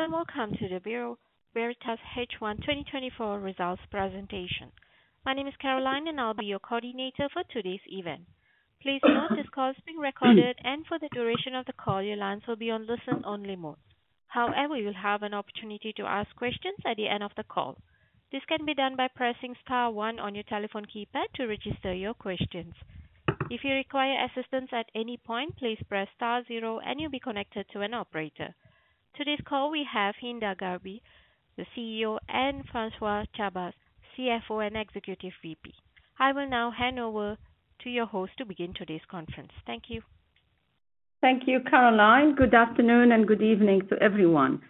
Hello, welcome to the Bureau Veritas H1 2024 Results presentation. My name is Caroline, and I'll be your coordinator for today's event. Please note, this call is being recorded, and for the duration of the call, your lines will be on listen-only mode. However, you'll have an opportunity to ask questions at the end of the call. This can be done by pressing star one on your telephone keypad to register your questions. If you require assistance at any point, please press star zero, and you'll be connected to an operator. Today's call, we have Hinda Gharbi, the CEO, and François Chabas, CFO and Executive VP. I will now hand over to your host to begin today's conference. Thank you. Thank you, Caroline. Good afternoon, and good evening to everyone.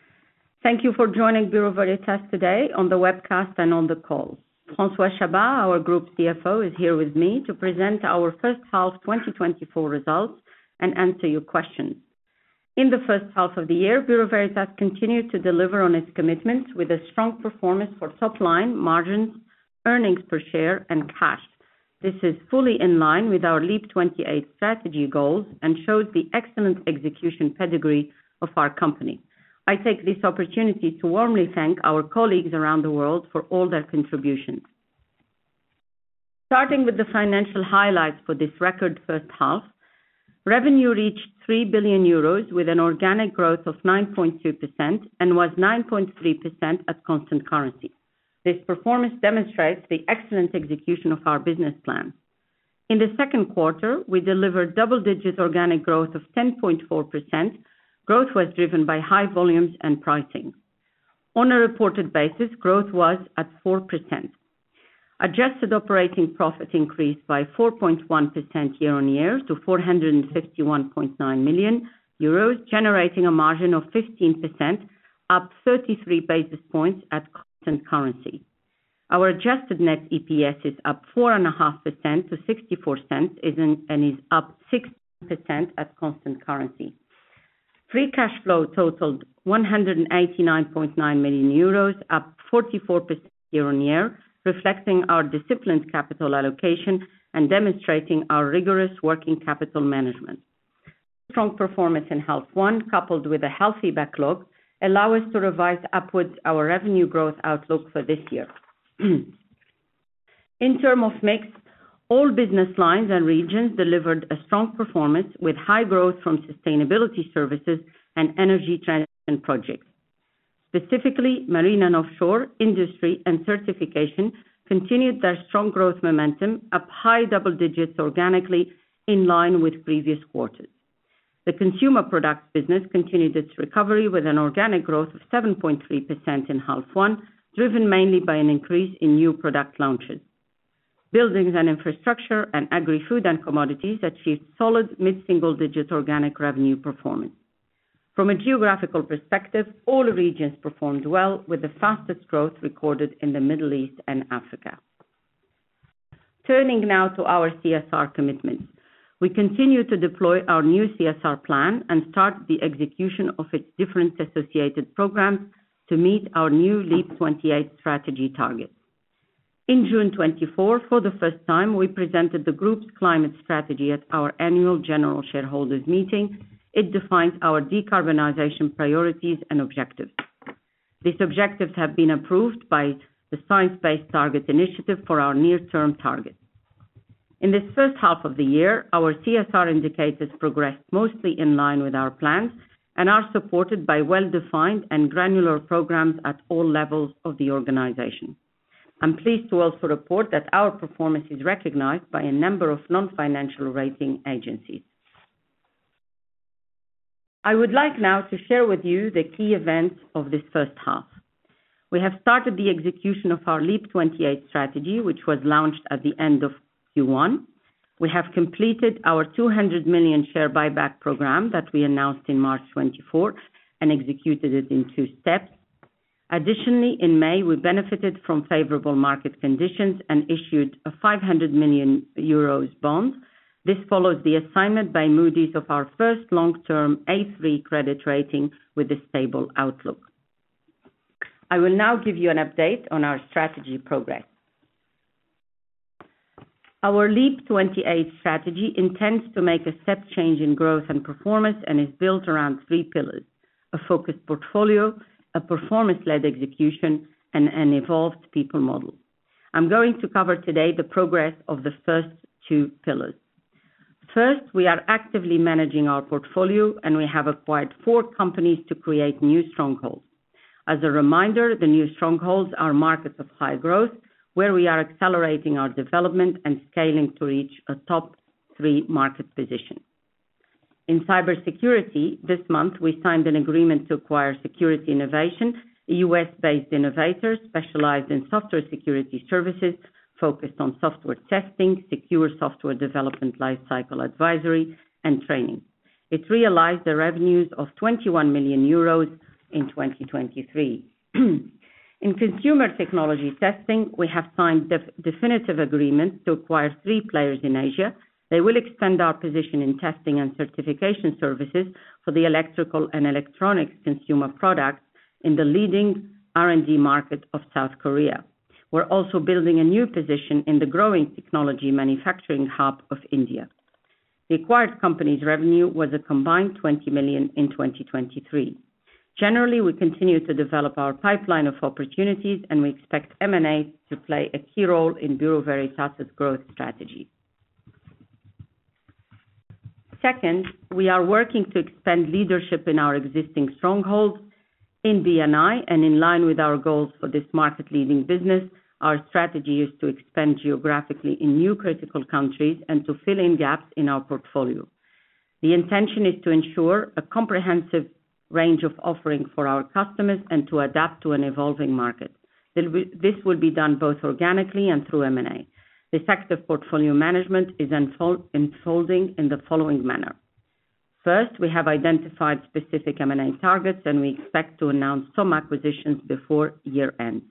Thank you for joining Bureau Veritas today on the webcast and on the call. François Chabas, our Group CFO, is here with me to present our first half 2024 results and answer your questions. In the first half of the year, Bureau Veritas continued to deliver on its commitments with a strong performance for top line margins, earnings per share, and cash. This is fully in line with our LEAP | 28 strategy goals and shows the excellent execution pedigree of our company. I take this opportunity to warmly thank our colleagues around the world for all their contributions. Starting with the financial highlights for this record first half, revenue reached 3 billion euros, with an organic growth of 9.2% and was 9.3% at constant currency. This performance demonstrates the excellent execution of our business plan. In the second quarter, we delivered double-digit organic growth of 10.4%. Growth was driven by high volumes and pricing. On a reported basis, growth was at 4%. Adjusted operating profit increased by 4.1% year-on-year to 451.9 million euros, generating a margin of 15%, up 33 basis points at constant currency. Our adjusted net EPS is up 4.5% to 0.64 and is up 6% at constant currency. Free cash flow totaled 189.9 million euros, up 44% year-on-year, reflecting our disciplined capital allocation and demonstrating our rigorous working capital management. Strong performance in H1, coupled with a healthy backlog, allow us to revise upwards our revenue growth outlook for this year. In terms of mix, all business lines and regions delivered a strong performance, with high growth from sustainability services and energy transition projects. Specifically, Marine & Offshore, Industry, and Certification continued their strong growth momentum, up high double digits organically, in line with previous quarters. The Consumer Products business continued its recovery with an organic growth of 7.3% in H1, driven mainly by an increase in new product launches. Buildings & Infrastructure and Agri-Food & Commodities achieved solid mid-single-digit organic revenue performance. From a geographical perspective, all regions performed well, with the fastest growth recorded in the Middle East and Africa. Turning now to our CSR commitments. We continue to deploy our new CSR plan and start the execution of its different associated programs to meet our new LEAP | 28 strategy targets. In June 2024, for the first time, we presented the group's climate strategy at our annual general shareholders meeting. It defines our decarbonization priorities and objectives. These objectives have been approved by the Science-Based Targets initiative for our near-term targets. In this first half of the year, our CSR indicators progressed mostly in line with our plans and are supported by well-defined and granular programs at all levels of the organization. I'm pleased to also report that our performance is recognized by a number of non-financial rating agencies. I would like now to share with you the key events of this first half. We have started the execution of our LEAP | 28 strategy, which was launched at the end of Q1. We have completed our 200 million share buyback program that we announced in March 2024 and executed it in two steps. Additionally, in May, we benefited from favorable market conditions and issued a 500 million euros bond. This follows the assignment by Moody's of our first long-term A3 credit rating with a stable outlook. I will now give you an update on our strategy progress. Our LEAP | 28 strategy intends to make a step change in growth and performance and is built around three pillars: a focused portfolio, a performance-led execution, and an evolved people model. I'm going to cover today the progress of the first two pillars. First, we are actively managing our portfolio, and we have acquired four companies to create new strongholds. As a reminder, the new strongholds are markets of high growth, where we are accelerating our development and scaling to reach a top three market position. In cybersecurity, this month, we signed an agreement to acquire Security Innovation, a U.S.-based innovator, specialized in software security services, focused on software testing, secure software development, lifecycle advisory, and training. It realized the revenues of 21 million euros in 2023. In Consumer technology testing, we have signed definitive agreements to acquire three players in Asia. They will extend our position in testing and certification services for the electrical and electronics Consumer products in the leading R&D market of South Korea. We're also building a new position in the growing technology manufacturing hub of India. The acquired company's revenue was a combined 20 million in 2023. Generally, we continue to develop our pipeline of opportunities, and we expect M&A to play a key role in Bureau Veritas' growth strategy. Second, we are working to extend leadership in our existing strongholds in B&I, and in line with our goals for this market-leading business, our strategy is to expand geographically in new critical countries and to fill in gaps in our portfolio. The intention is to ensure a comprehensive range of offerings for our customers and to adapt to an evolving market. Then, this will be done both organically and through M&A. The effect of portfolio management is unfolding in the following manner: First, we have identified specific M&A targets, and we expect to announce some acquisitions before year-end.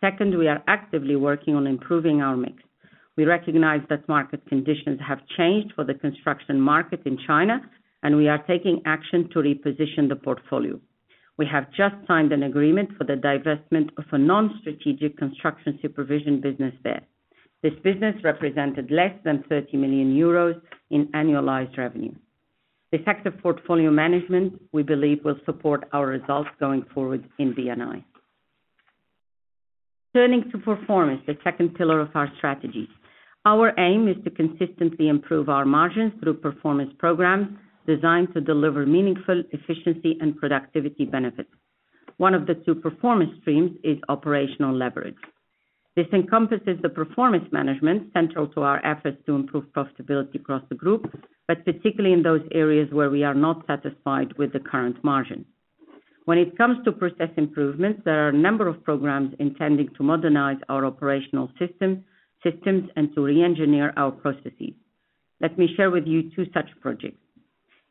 Second, we are actively working on improving our mix. We recognize that market conditions have changed for the construction market in China, and we are taking action to reposition the portfolio. We have just signed an agreement for the divestment of a non-strategic construction supervision business there. This business represented less than 30 million euros in annualized revenue. Effective portfolio management, we believe, will support our results going forward in B&I. Turning to performance, the second pillar of our strategy. Our aim is to consistently improve our margins through performance programs designed to deliver meaningful efficiency and productivity benefits. One of the two performance streams is operational leverage. This encompasses the performance management central to our efforts to improve profitability across the group, but particularly in those areas where we are not satisfied with the current margin. When it comes to process improvements, there are a number of programs intending to modernize our operational systems and to reengineer our processes. Let me share with you two such projects.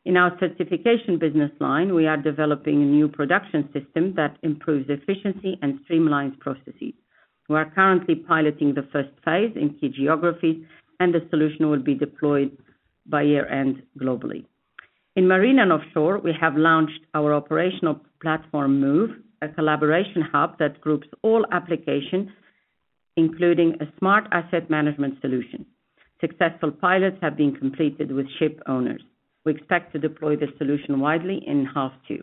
In our Certification business line, we are developing a new production system that improves efficiency and streamlines processes. We are currently piloting the first phase in key geographies, and the solution will be deployed by year-end globally. In Marine & Offshore, we have launched our operational platform, Move, a collaboration hub that groups all applications, including a smart asset management solution. Successful pilots have been completed with ship owners. We expect to deploy this solution widely in half two.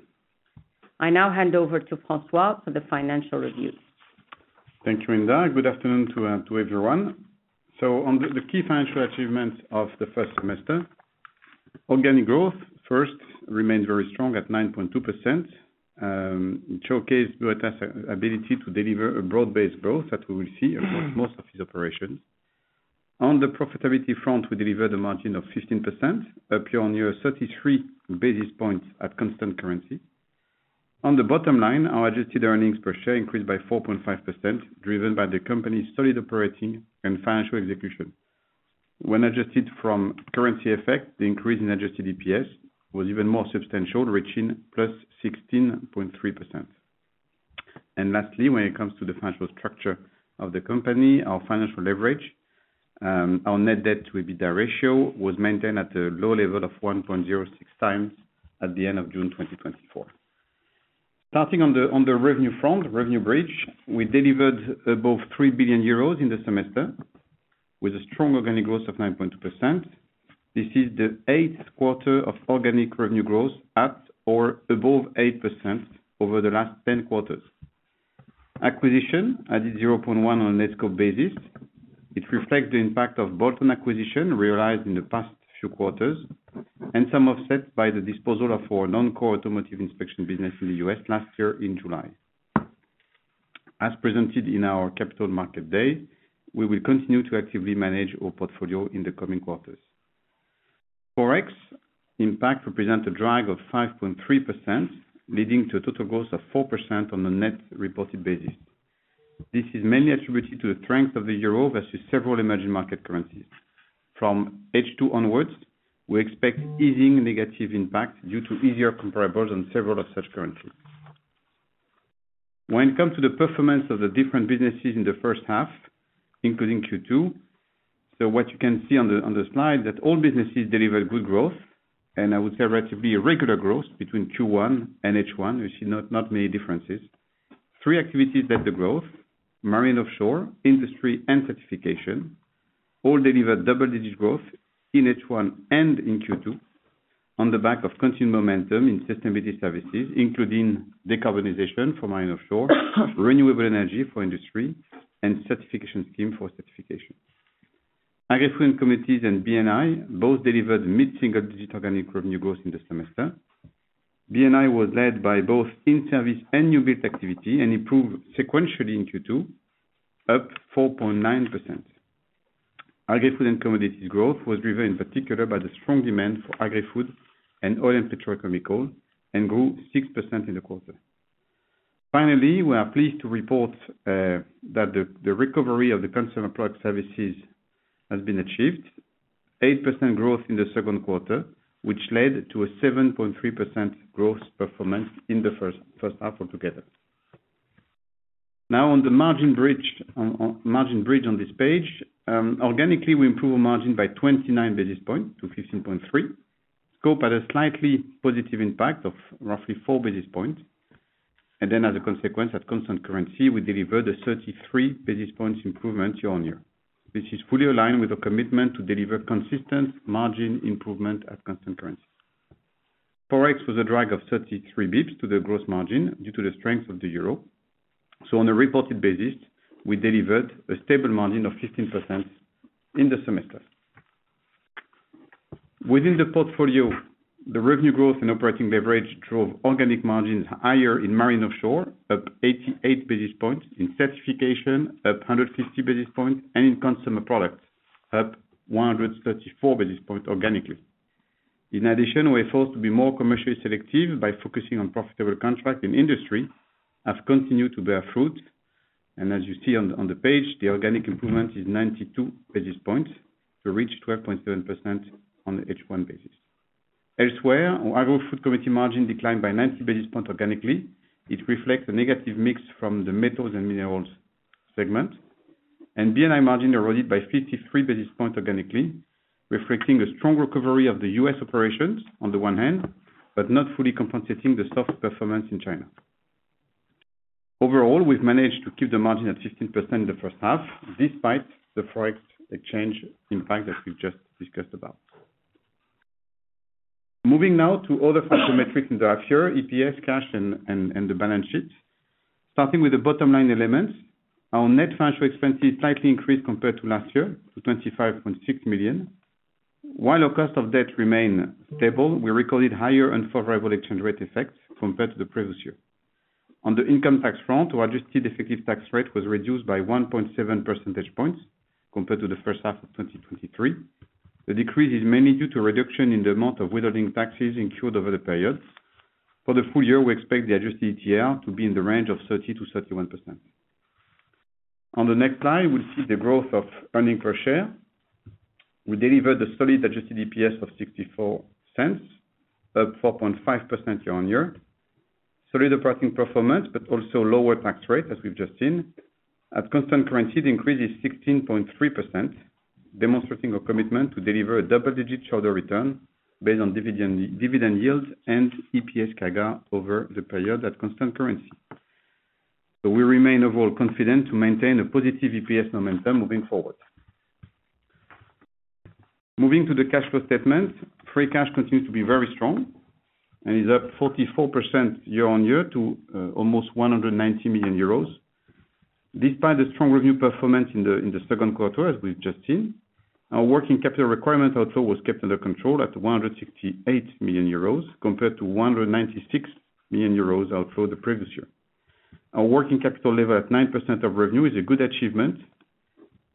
I now hand over to François for the financial review. Thank you, Hinda. Good afternoon to everyone. So on the key financial achievements of the first semester, organic growth, first, remains very strong at 9.2%. It showcased Bureau Veritas' ability to deliver a broad-based growth that we will see across most of these operations. On the profitability front, we delivered a margin of 15%, up year-on-year, 33 basis points at constant currency. On the bottom line, our adjusted earnings per share increased by 4.5%, driven by the company's solid operating and financial execution. When adjusted from currency effect, the increase in adjusted EPS was even more substantial, reaching +16.3%. Lastly, when it comes to the financial structure of the company, our financial leverage, our net debt to EBITDA ratio was maintained at a low level of 1.06 times at the end of June 2024. Starting on the revenue front, revenue bridge, we delivered above 3 billion euros in the semester with a strong organic growth of 9.2%. This is the 8th quarter of organic revenue growth, at or above 8% over the last 10 quarters. Acquisition added 0.1 on a net scope basis. It reflects the impact of bolt-on acquisitions realized in the past few quarters, and some offset by the disposal of our non-core automotive inspection business in the U.S. last year in July. As presented in our capital market day, we will continue to actively manage our portfolio in the coming quarters. Forex, in fact, represent a drag of 5.3%, leading to a total growth of 4% on a net reported basis. This is mainly attributed to the strength of the euro versus several emerging market currencies. From H2 onwards, we expect easing negative impact due to easier comparables on several of such currencies. When it comes to the performance of the different businesses in the first half, including Q2, so what you can see on the, on the slide, that all businesses deliver good growth, and I would say relatively a regular growth between Q1 and H1. You see not, not many differences. Three activities led the growth: Marine & Offshore, Industry, and Certification, all delivered double-digit growth in H1 and in Q2, on the back of continued momentum in sustainability services, including decarbonization for Marine & Offshore, renewable energy for Industry, and certification scheme for Certification. & Commodities and B&I both delivered mid-single-digit organic revenue growth in the semester. B&I was led by both in-service and new build activity, and improved sequentially in Q2, up 4.9%. Agri-Food & Commodities growth was driven in particular by the strong demand for agri-food and oil and petrochemical, and grew 6% in the quarter. Finally, we are pleased to report that the recovery of the Consumer Products has been achieved. 8% growth in the second quarter, which led to a 7.3% growth performance in the first half altogether. Now, on the margin bridge on this page, organically, we improved margin by 29 basis points to 15.3. Scope had a slightly positive impact of roughly 4 basis points.... And then as a consequence, at constant currency, we delivered a 33 basis points improvement year-on-year. This is fully aligned with our commitment to deliver consistent margin improvement at constant currency. Forex was a drag of 33 bips to the gross margin due to the strength of the euro. So on a reported basis, we delivered a stable margin of 15% in the semester. Within the portfolio, the revenue growth and operating leverage drove organic margins higher in Marine & Offshore, up 88 basis points, in Certification, up 150 basis points, and in Consumer Products, up 134 basis points organically. In addition, we are forced to be more commercially selective by focusing on profitable contracts in Industry, have continued to bear fruit, and as you see on the page, the organic improvement is 92 basis points to reach 12.7% on the H1 basis. Elsewhere, our Agri-Food & Commodities margin declined by 90 basis points organically. It reflects a negative mix from the metals and minerals segment. B&I margin eroded by 53 basis points organically, reflecting a strong recovery of the U.S. operations on the one hand, but not fully compensating the soft performance in China. Overall, we've managed to keep the margin at 15% in the first half, despite the forex exchange impact that we've just discussed about. Moving now to other financial metrics in the half year, EPS, cash, and the balance sheet. Starting with the bottom line elements, our net financial expenses slightly increased compared to last year, to 25.6 million. While our cost of debt remain stable, we recorded higher unfavorable exchange rate effects compared to the previous year. On the income tax front, our adjusted effective tax rate was reduced by 1.7 percentage points compared to the first half of 2023. The decrease is mainly due to a reduction in the amount of withholding taxes incurred over the period. For the full year, we expect the adjusted ETR to be in the range of 30%-31%. On the next slide, we see the growth of earnings per share. We delivered a solid adjusted EPS of 0.64, up 4.5% year-on-year. Solid operating performance, but also lower tax rate, as we've just seen. At constant currency, the increase is 16.3%, demonstrating our commitment to deliver a double-digit shareholder return based on dividend, dividend yields and EPS CAGR over the period at constant currency. So we remain overall confident to maintain a positive EPS momentum moving forward. Moving to the cash flow statement, free cash continues to be very strong and is up 44% year-over-year to almost 190 million euros. Despite the strong revenue performance in the, in the second quarter, as we've just seen, our working capital requirement outflow was kept under control at 168 million euros, compared to 196 million euros outflow the previous year. Our working capital level at 9% of revenue is a good achievement,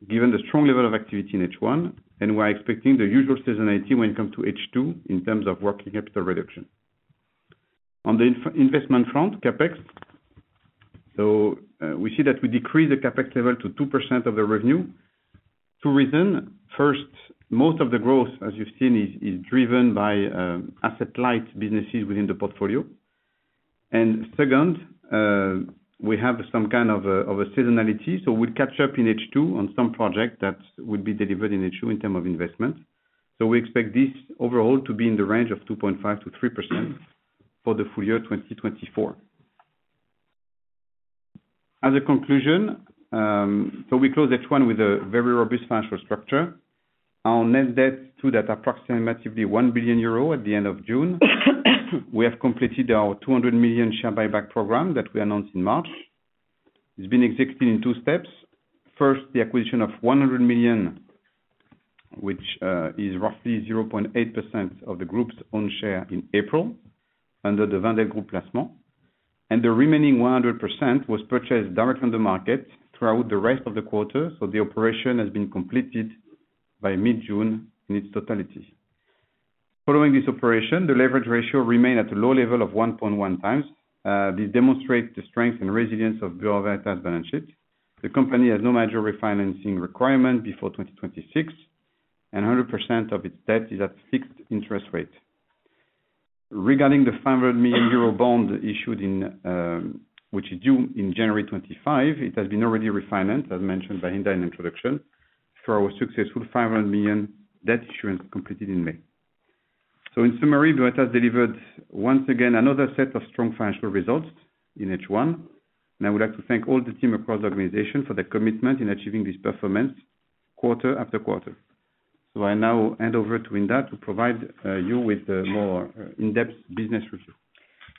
given the strong level of activity in H1, and we are expecting the usual seasonality when it comes to H2 in terms of working capital reduction. On the investment front, CapEx. So, we see that we decreased the CapEx level to 2% of the revenue. Two reasons: first, most of the growth, as you've seen, is driven by asset-light businesses within the portfolio. And second, we have some kind of a seasonality, so we'll catch up in H2 on some project that will be delivered in H2 in terms of investment. So we expect this overall to be in the range of 2.5%-3% for the full year 2024. As a conclusion, we close H1 with a very robust financial structure. Our net debt stood at approximately 1 billion euro at the end of June. We have completed our 200 million share buyback program that we announced in March. It's been executed in two steps. First, the acquisition of 100 million, which is roughly 0.8% of the group's own share in April, under the Wendel Group Placement. The remaining 100 million was purchased direct from the market throughout the rest of the quarter, so the operation has been completed by mid-June in its totality. Following this operation, the leverage ratio remained at a low level of 1.1 times. This demonstrates the strength and resilience of Bureau Veritas' balance sheet. The company has no major refinancing requirement before 2026, and 100% of its debt is at fixed interest rate. Regarding the 500 million euro bond issued in, which is due in January 2025, it has been already refinanced, as mentioned by Hinda in introduction, through our successful 500 million debt issuance completed in May. So in summary, Veritas delivered, once again, another set of strong financial results in H1, and I would like to thank all the team across the organization for their commitment in achieving this performance quarter after quarter. So I now hand over to Hinda to provide you with more in-depth business review.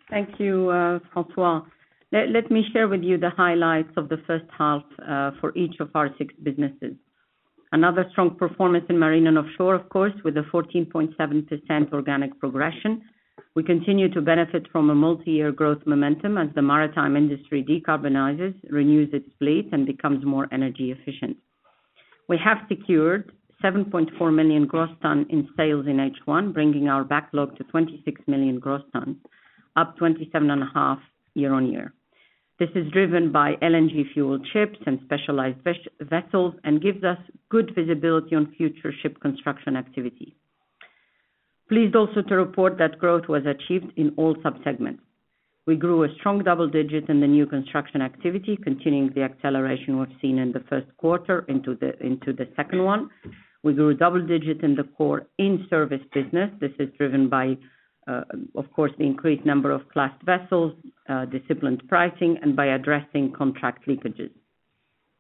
Thank you, François. Let me share with you the highlights of the first half for each of our six businesses. Another strong performance in Marine and Offshore, of course, with a 14.7% organic progression. We continue to benefit from a multi-year growth momentum as the maritime industry decarbonizes, renews its fleet, and becomes more energy efficient. We have secured 7.4 million gross ton in sales in H1, bringing our backlog to 26 million gross ton, up 27.5 year-on-year. This is driven by LNG fuel ships and specialized vessels, and gives us good visibility on future ship construction activity. Pleased also to report that growth was achieved in all sub-segments. We grew a strong double-digit in the new construction activity, continuing the acceleration we've seen in the first quarter into the second one. We grew double-digit in the core in-service business. This is driven by, of course, the increased number of class vessels, disciplined pricing, and by addressing contract leakages.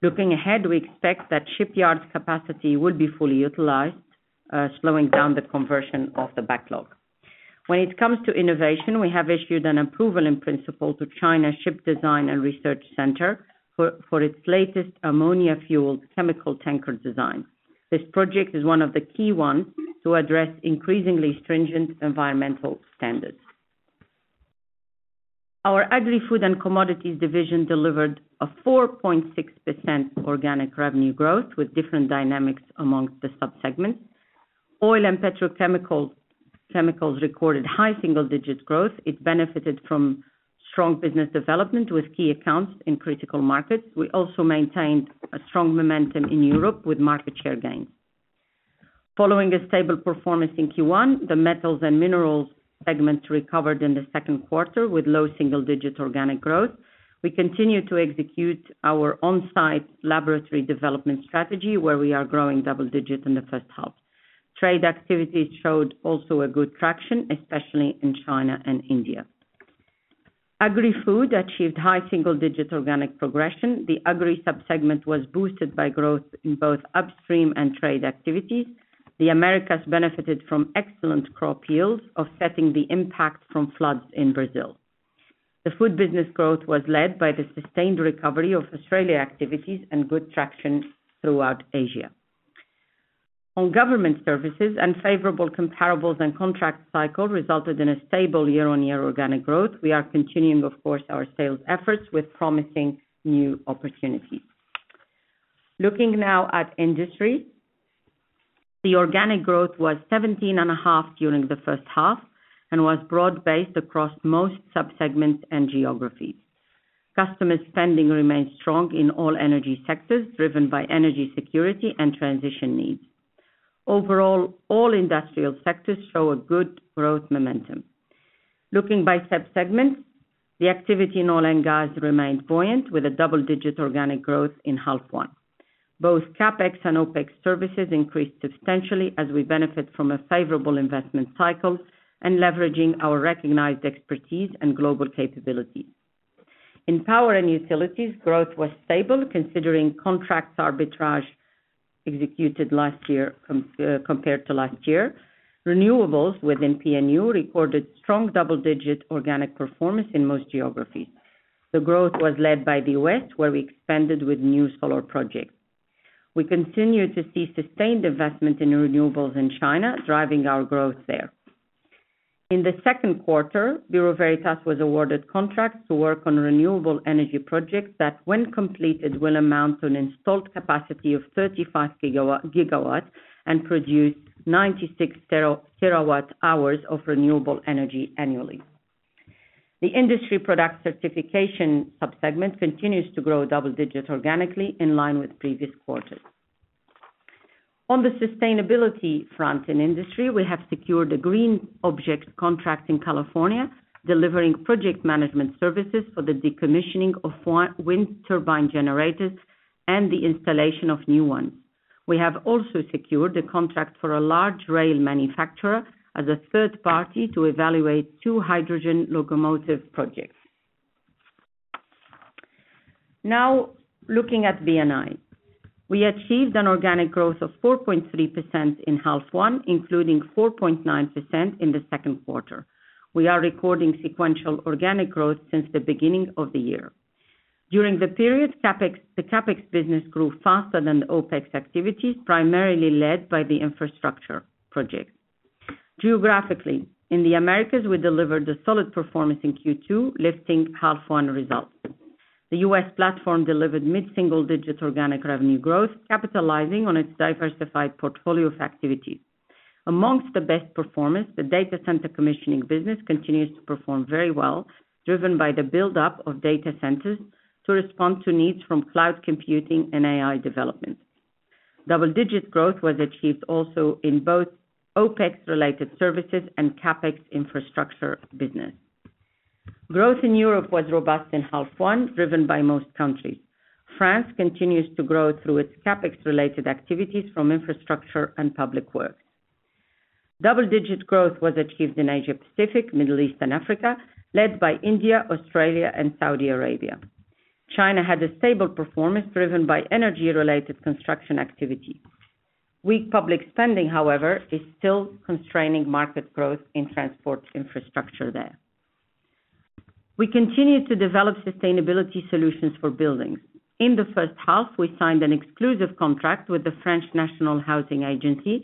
Looking ahead, we expect that shipyards capacity will be fully utilized, slowing down the conversion of the backlog. When it comes to innovation, we have issued an approval in principle to China Ship Design and Research Center for its latest ammonia fuel chemical tanker design. This project is one of the key ones to address increasingly stringent environmental standards. Our Agri, Food and Commodities division delivered a 4.6% organic revenue growth, with different dynamics amongst the sub-segments. Oil and petrochemical-- chemicals recorded high single-digit growth. It benefited from strong business development with key accounts in critical markets. We also maintained a strong momentum in Europe with market share gains. Following a stable performance in Q1, the metals and minerals segment recovered in the second quarter with low single-digit organic growth. We continue to execute our on-site laboratory development strategy, where we are growing double digits in the first half. Trade activities showed also a good traction, especially in China and India. Agri-Food achieved high single-digit organic progression. The agri sub-segment was boosted by growth in both upstream and trade activities. The Americas benefited from excellent crop yields, offsetting the impact from floods in Brazil. The food business growth was led by the sustained recovery of Australia activities and good traction throughout Asia. On government services, unfavorable comparables and contract cycle resulted in a stable year-on-year organic growth. We are continuing, of course, our sales efforts with promising new opportunities. Looking now at Industry, the organic growth was 17.5% during the first half, and was broad-based across most sub-segments and geographies. Customer spending remains strong in all energy sectors, driven by energy security and transition needs. Overall, all industrial sectors show a good growth momentum. Looking by sub-segments, the activity in oil and gas remained buoyant, with a double-digit organic growth in H1. Both CapEx and OpEx services increased substantially as we benefit from a favorable investment cycle and leveraging our recognized expertise and global capabilities. In power and utilities, growth was stable, considering contracts arbitrage executed last year compared to last year. Renewables within P&U recorded strong double-digit organic performance in most geographies. The growth was led by the US, where we expanded with new solar projects. We continue to see sustained investment in renewables in China, driving our growth there. In the second quarter, Bureau Veritas was awarded contracts to work on renewable energy projects that, when completed, will amount to an installed capacity of 35 gigawatts and produce 96 terawatt-hours of renewable energy annually. The industry product certification sub-segment continues to grow double-digit organically in line with previous quarters. On the sustainability front in Industry, we have secured a Green Object Contract in California, delivering project management services for the decommissioning of wind turbine generators and the installation of new ones. We have also secured a contract for a large rail manufacturer as a third party to evaluate two hydrogen locomotive projects. Now, looking at B&I. We achieved an organic growth of 4.3% in H1, including 4.9% in the second quarter. We are recording sequential organic growth since the beginning of the year. During the period, CapEx the CapEx business grew faster than the OpEx activities, primarily led by the infrastructure projects. Geographically, in the Americas, we delivered a solid performance in Q2, lifting H1 results. The U.S. platform delivered mid-single-digit organic revenue growth, capitalizing on its diversified portfolio of activities. Among the best performance, the data center commissioning business continues to perform very well, driven by the buildup of data centers to respond to needs from cloud computing and AI development. Double-digit growth was achieved also in both OpEx-related services and CapEx infrastructure business. Growth in Europe was robust in H1, driven by most countries. France continues to grow through its CapEx-related activities from infrastructure and public works. Double-digit growth was achieved in Asia Pacific, Middle East and Africa, led by India, Australia and Saudi Arabia. China had a stable performance, driven by energy-related construction activity. Weak public spending, however, is still constraining market growth in transport infrastructure there. We continue to develop sustainability solutions for buildings. In the first half, we signed an exclusive contract with the French National Housing Agency.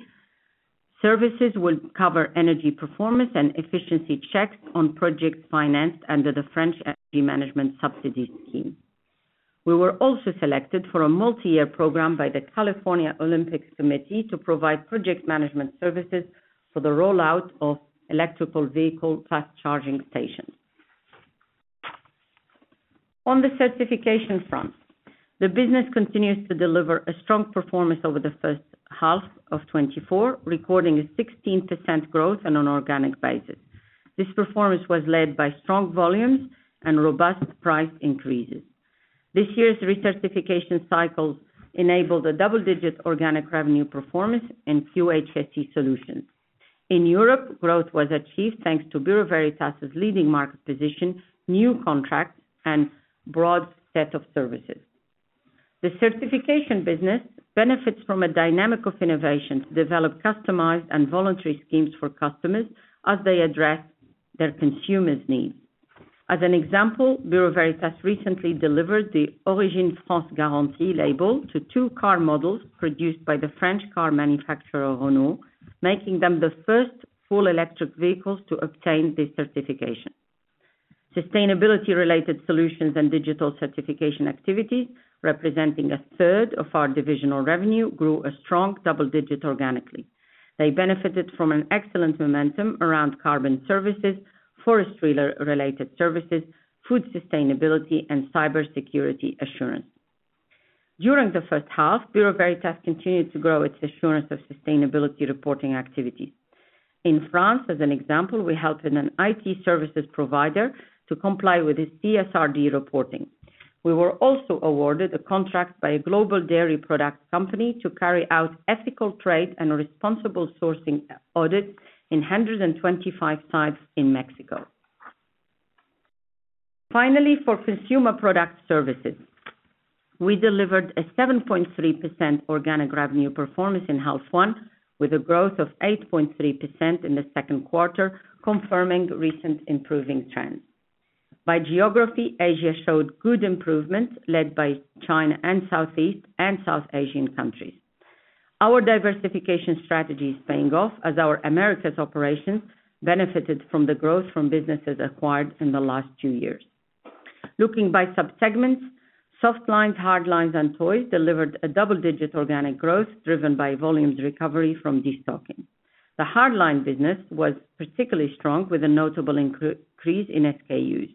Services will cover energy performance and efficiency checks on project finance under the French Energy Management Subsidy scheme. We were also selected for a multi-year program by the California Olympic Committee to provide project management services for the rollout of electric vehicle fast charging stations. On the certification front, the business continues to deliver a strong performance over the first half of 2024, recording a 16% growth on an organic basis. This performance was led by strong volumes and robust price increases. This year's recertification cycle enabled a double-digit organic revenue performance in QHSE solutions. In Europe, growth was achieved thanks to Bureau Veritas' leading market position, new contracts, and broad set of services. The certification business benefits from a dynamic of innovation to develop customized and voluntary schemes for customers as they address their consumers' needs. As an example, Bureau Veritas recently delivered the Origine France Garantie label to two car models produced by the French car manufacturer, Renault, making them the first full electric vehicles to obtain this certification. Sustainability-related solutions and digital certification activities, representing a third of our divisional revenue, grew a strong double-digit organically. They benefited from an excellent momentum around carbon services, forest-related services, food sustainability, and cybersecurity assurance. During the first half, Bureau Veritas continued to grow its assurance of sustainability reporting activities. In France, as an example, we helped an IT services provider to comply with its CSRD reporting. We were also awarded a contract by a global dairy product company to carry out ethical trade and responsible sourcing audits in 125 sites in Mexico. Finally, for Consumer Product services, we delivered a 7.3% organic revenue performance in H1, with a growth of 8.3% in the second quarter, confirming recent improving trends. By geography, Asia showed good improvement, led by China and Southeast and South Asian countries. Our diversification strategy is paying off as our Americas operations benefited from the growth from businesses acquired in the last two years. Looking by subsegments, Softlines, Hardlines, and toys delivered a double-digit organic growth, driven by volumes recovery from destocking. The hardline business was particularly strong, with a notable increase in SKUs.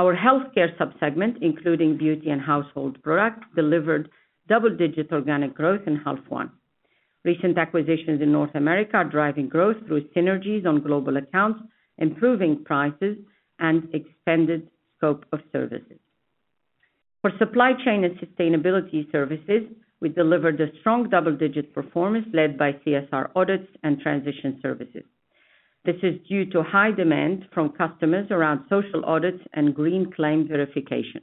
Our healthcare subsegment, including beauty and household products, delivered double-digit organic growth in H1. Recent acquisitions in North America are driving growth through synergies on global accounts, improving prices, and expanded scope of services. For supply chain and sustainability services, we delivered a strong double-digit performance, led by CSR audits and transition services. This is due to high demand from customers around social audits and green claim verification.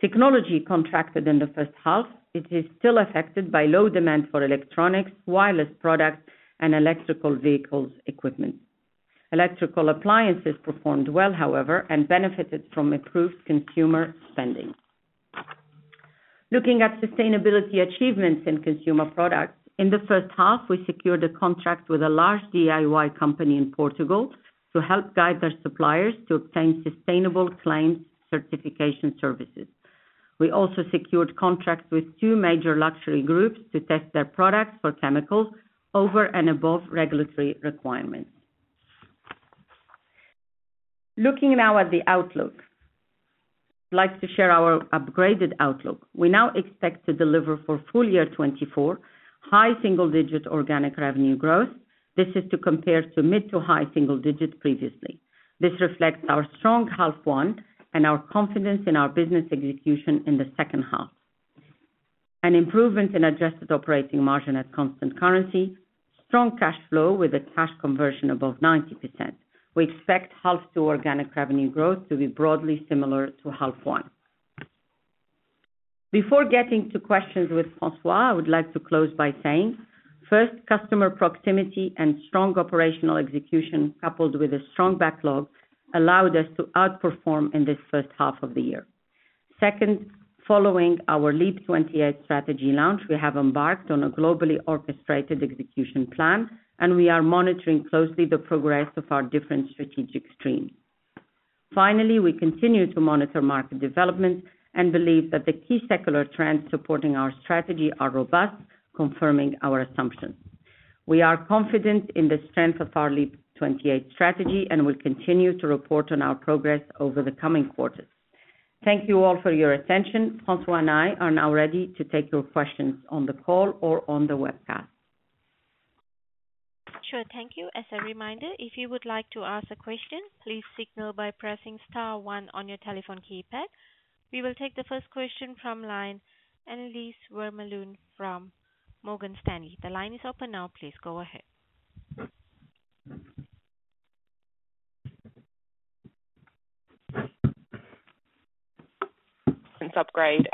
Technology contracted in the first half. It is still affected by low demand for electronics, wireless products, and electric vehicles equipment. Electrical appliances performed well, however, and benefited from improved Consumer spending. Looking at sustainability achievements in Consumer Products, in the first half, we secured a contract with a large DIY company in Portugal to help guide their suppliers to obtain sustainable claims certification services. We also secured contracts with two major luxury groups to test their products for chemicals over and above regulatory requirements. Looking now at the outlook, I'd like to share our upgraded outlook. We now expect to deliver for full year 2024, high single-digit organic revenue growth. This is to compare to mid- to high single-digit previously. This reflects our strong half one and our confidence in our business execution in the second half. An improvement in adjusted operating margin at constant currency, strong cash flow with a cash conversion above 90%. We expect half two organic revenue growth to be broadly similar to half one. Before getting to questions with François, I would like to close by saying, first, customer proximity and strong operational execution, coupled with a strong backlog, allowed us to outperform in this first half of the year. Second, following our LEAP | 28 strategy launch, we have embarked on a globally orchestrated execution plan, and we are monitoring closely the progress of our different strategic streams. Finally, we continue to monitor market developments and believe that the key secular trends supporting our strategy are robust, confirming our assumptions. We are confident in the strength of our LEAP | 28 strategy and will continue to report on our progress over the coming quarters. Thank you all for your attention. François and I are now ready to take your questions on the call or on the webcast. Sure. Thank you. As a reminder, if you would like to ask a question, please signal by pressing star one on your telephone keypad. We will take the first question from line, Annelies Vermeulen from Morgan Stanley. The line is open now. Please go ahead. Since upgrade,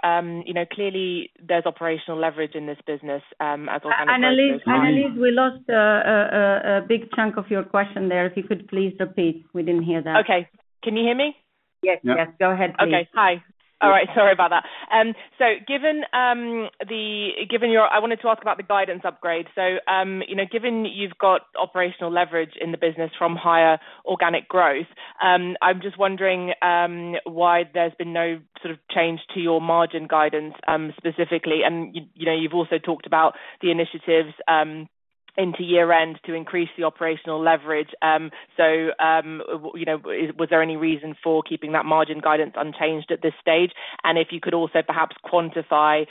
you know, clearly there's operational leverage in this business, as organic- Annelies, Annelies, we lost a big chunk of your question there. If you could please repeat. We didn't hear that. Okay. Can you hear me? Yes. Yeah. Yes, go ahead, please. Okay. Hi. All right. Sorry about that. So, I wanted to ask about the guidance upgrade. So, you know, given you've got operational leverage in the business from higher organic growth, I'm just wondering why there's been no sort of change to your margin guidance, specifically? And you know, you've also talked about the initiatives into year-end to increase the operational leverage. So, you know, was there any reason for keeping that margin guidance unchanged at this stage? And if you could also perhaps quantify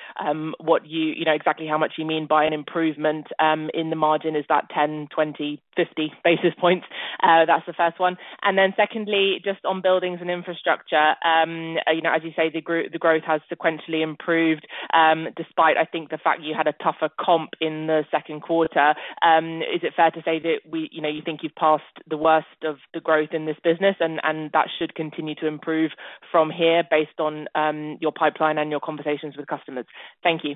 what you know exactly how much you mean by an improvement in the margin. Is that 10, 20, 50 basis points? That's the first one. And then secondly, just on Buildings and Infrastructure, you know, as you say, the growth has sequentially improved, despite, I think, the fact you had a tougher comp in the second quarter. Is it fair to say that we, you know, you think you've passed the worst of the growth in this business, and that should continue to improve from here based on your pipeline and your conversations with customers? Thank you.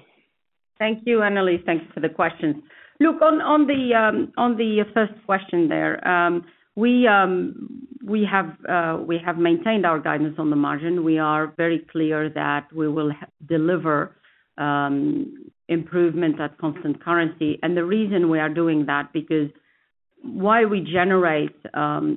Thank you, Annelies, thanks for the question. Look, on the first question there, we have maintained our guidance on the margin. We are very clear that we will deliver improvement at constant currency. And the reason we are doing that, because while we generate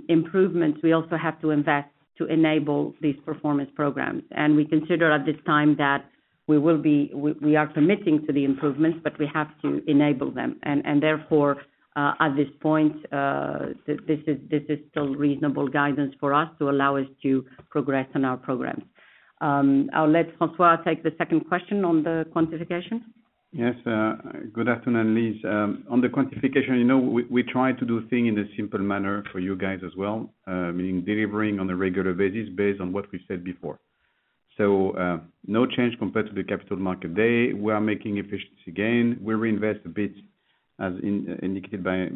improvements, we also have to invest to enable these performance programs. And we consider at this time that we are committing to the improvements, but we have to enable them. And therefore, at this point, this is still reasonable guidance for us to allow us to progress on our programs. I'll let François take the second question on the quantification. Yes, good afternoon, Annelies. On the quantification, you know, we try to do things in a simple manner for you guys as well, meaning delivering on a regular basis based on what we said before. So, no change compared to the Capital Markets Day. We are making efficiency gains. We reinvest a bit, as indicated by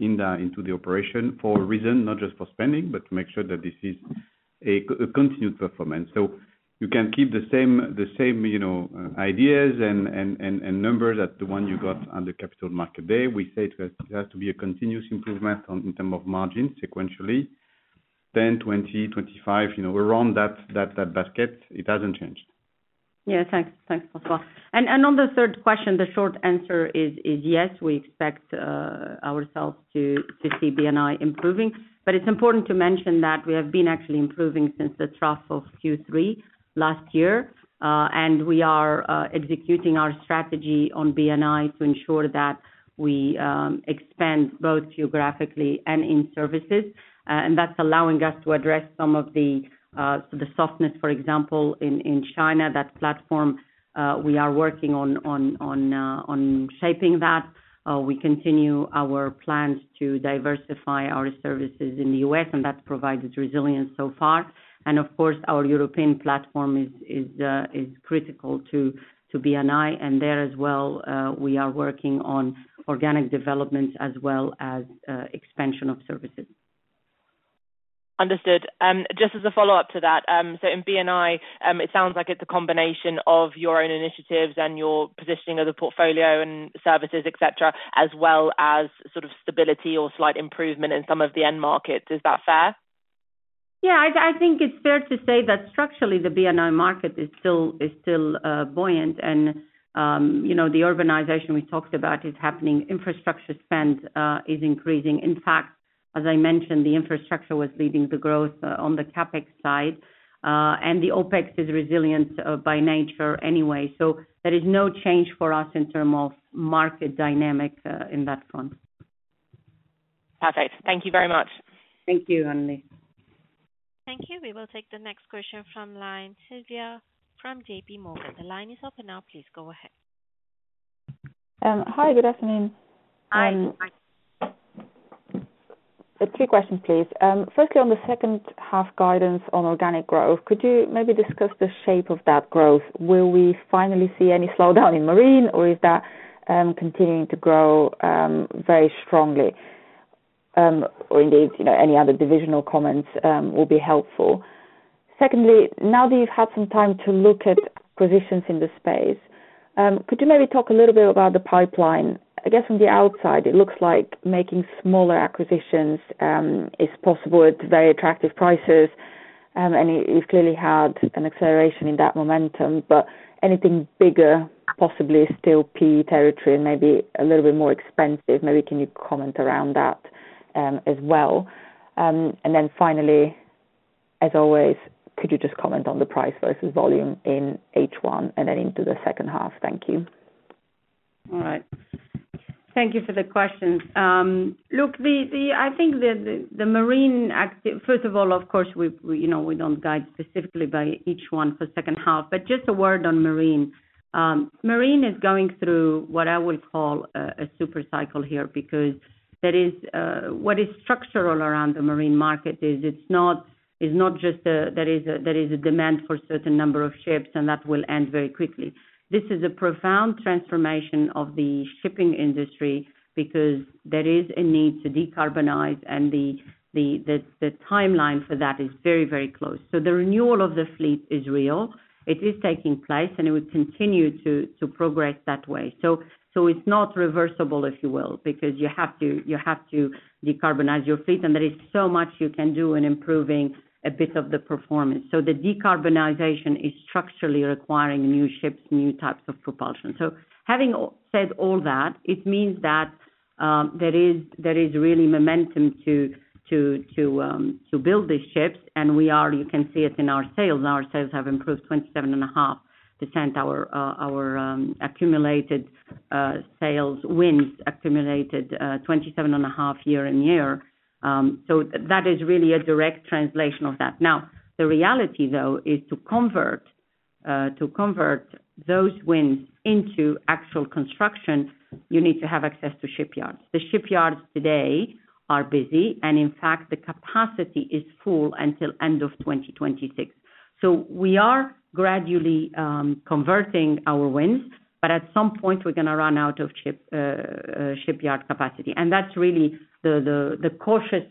Hinda, into the operations for a reason, not just for spending, but to make sure that this is a continued performance. So you can keep the same, you know, ideas and numbers as the ones you got on the Capital Markets Day. We say it has to be a continuous improvement in terms of margins sequentially, 10, 20, 25, you know, around that basket, it hasn't changed. Yeah, thanks. Thanks, François. And on the third question, the short answer is yes, we expect ourselves to see B&I improving. But it's important to mention that we have been actually improving since the trough of Q3 last year. And we are executing our strategy on B&I to ensure that we expand both geographically and in services. And that's allowing us to address some of the softness, for example, in China. That platform we are working on shaping that. We continue our plans to diversify our services in the U.S., and that's provided resilience so far. And of course, our European platform is critical to B&I, and there as well we are working on organic developments as well as expansion of services. Understood. Just as a follow-up to that, so in B&I, it sounds like it's a combination of your own initiatives and your positioning of the portfolio and services, et cetera, as well as sort of stability or slight improvement in some of the end markets. Is that fair? Yeah, I think it's fair to say that structurally, the B&I market is still buoyant. And, you know, the urbanization we talked about is happening. Infrastructure spend is increasing. In fact, as I mentioned, the infrastructure was leading the growth on the CapEx side. And the OpEx is resilient by nature anyway, so there is no change for us in terms of market dynamics in that front. Perfect. Thank you very much. Thank you, Annelies. Thank you. We will take the next question from line, Sylvia from JMorgan. The line is open now, please go ahead. Hi, good afternoon. Hi. Two questions, please. Firstly, on the second half guidance on organic growth, could you maybe discuss the shape of that growth? Will we finally see any slowdown in Marine, or is that continuing to grow very strongly? Or indeed, you know, any other divisional comments will be helpful. Secondly, now that you've had some time to look at positions in the space, could you maybe talk a little bit about the pipeline? I guess from the outside, it looks like making smaller acquisitions is possible at very attractive prices. And you, you've clearly had an acceleration in that momentum, but anything bigger, possibly still PE territory and maybe a little bit more expensive. Maybe can you comment around that as well? And then finally, as always, could you just comment on the price versus volume in H1 and then into the second half? Thank you. All right. Thank you for the questions. Look, I think the Marine. First of all, of course, you know, we don't guide specifically by each one for second half, but just a word on Marine. Marine is going through what I would call a super cycle here, because there is what is structural around the Marine market is, it's not just there is a demand for a certain number of ships, and that will end very quickly. This is a profound transformation of the shipping industry because there is a need to decarbonize, and the timeline for that is very, very close. So the renewal of the fleet is real. It is taking place, and it will continue to progress that way. It's not reversible, if you will, because you have to decarbonize your fleet, and there is so much you can do in improving a bit of the performance. The decarbonization is structurally requiring new ships, new types of propulsion. Having said all that, it means that there is really momentum to build these ships. And we are, you can see it in our sales, and our sales have improved 27.5%. Our accumulated sales wins accumulated 27.5% year-on-year. That is really a direct translation of that. Now, the reality, though, is to convert those wins into actual construction, you need to have access to shipyards. The shipyards today are busy, and in fact, the capacity is full until end of 2026. So we are gradually converting our wins, but at some point, we're gonna run out of shipyard capacity. And that's really the cautious,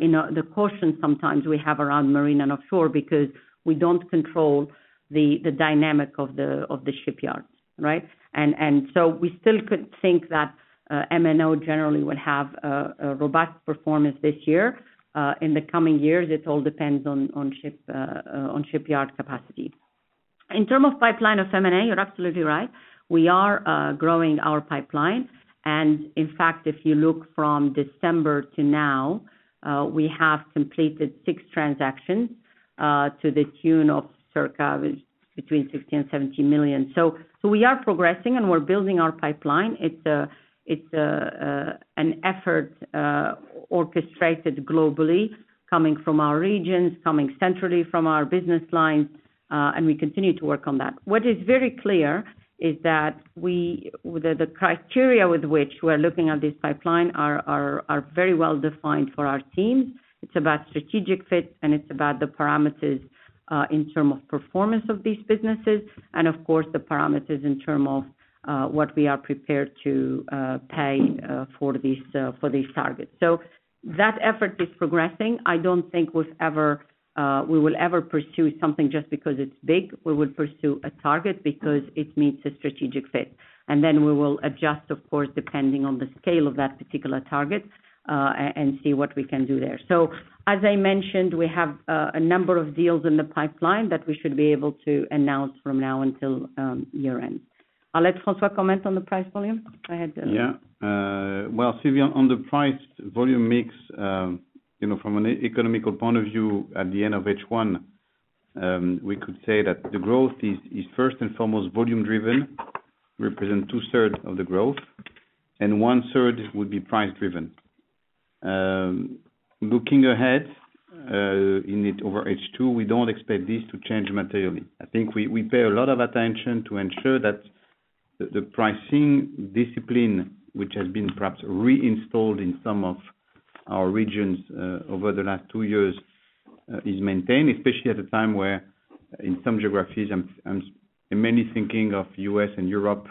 you know, the caution sometimes we have around Marine and Offshore, because we don't control the dynamic of the shipyards, right? And so we still could think that M&O generally would have a robust performance this year. In the coming years, it all depends on shipyard capacity. In terms of pipeline of M&A, you're absolutely right. We are growing our pipeline. And in fact, if you look from December to now, we have completed 6 transactions to the tune of circa between 16 million and 17 million. So we are progressing, and we're building our pipeline. It's an effort orchestrated globally, coming from our regions, coming centrally from our business lines, and we continue to work on that. What is very clear is that the criteria with which we're looking at this pipeline are very well defined for our teams. It's about strategic fit, and it's about the parameters in terms of performance of these businesses, and of course, the parameters in terms of what we are prepared to pay for these targets. So that effort is progressing. I don't think we will ever pursue something just because it's big. We will pursue a target because it meets a strategic fit. And then we will adjust, of course, depending on the scale of that particular target, and see what we can do there. So, as I mentioned, we have a number of deals in the pipeline that we should be able to announce from now until year end. I'll let François comment on the price volume. Go ahead. Yeah. Well, Sylvia, on the price volume mix, you know, from an economic point of view at the end of H1, we could say that the growth is first and foremost volume driven, represent two thirds of the growth, and one third would be price driven. Looking ahead, in it over H2, we don't expect this to change materially. I think we pay a lot of attention to ensure that the pricing discipline, which has been perhaps reinstalled in some of our regions, over the last two years, is maintained, especially at a time where, in some geographies and in many thinking of U.S. and Europe,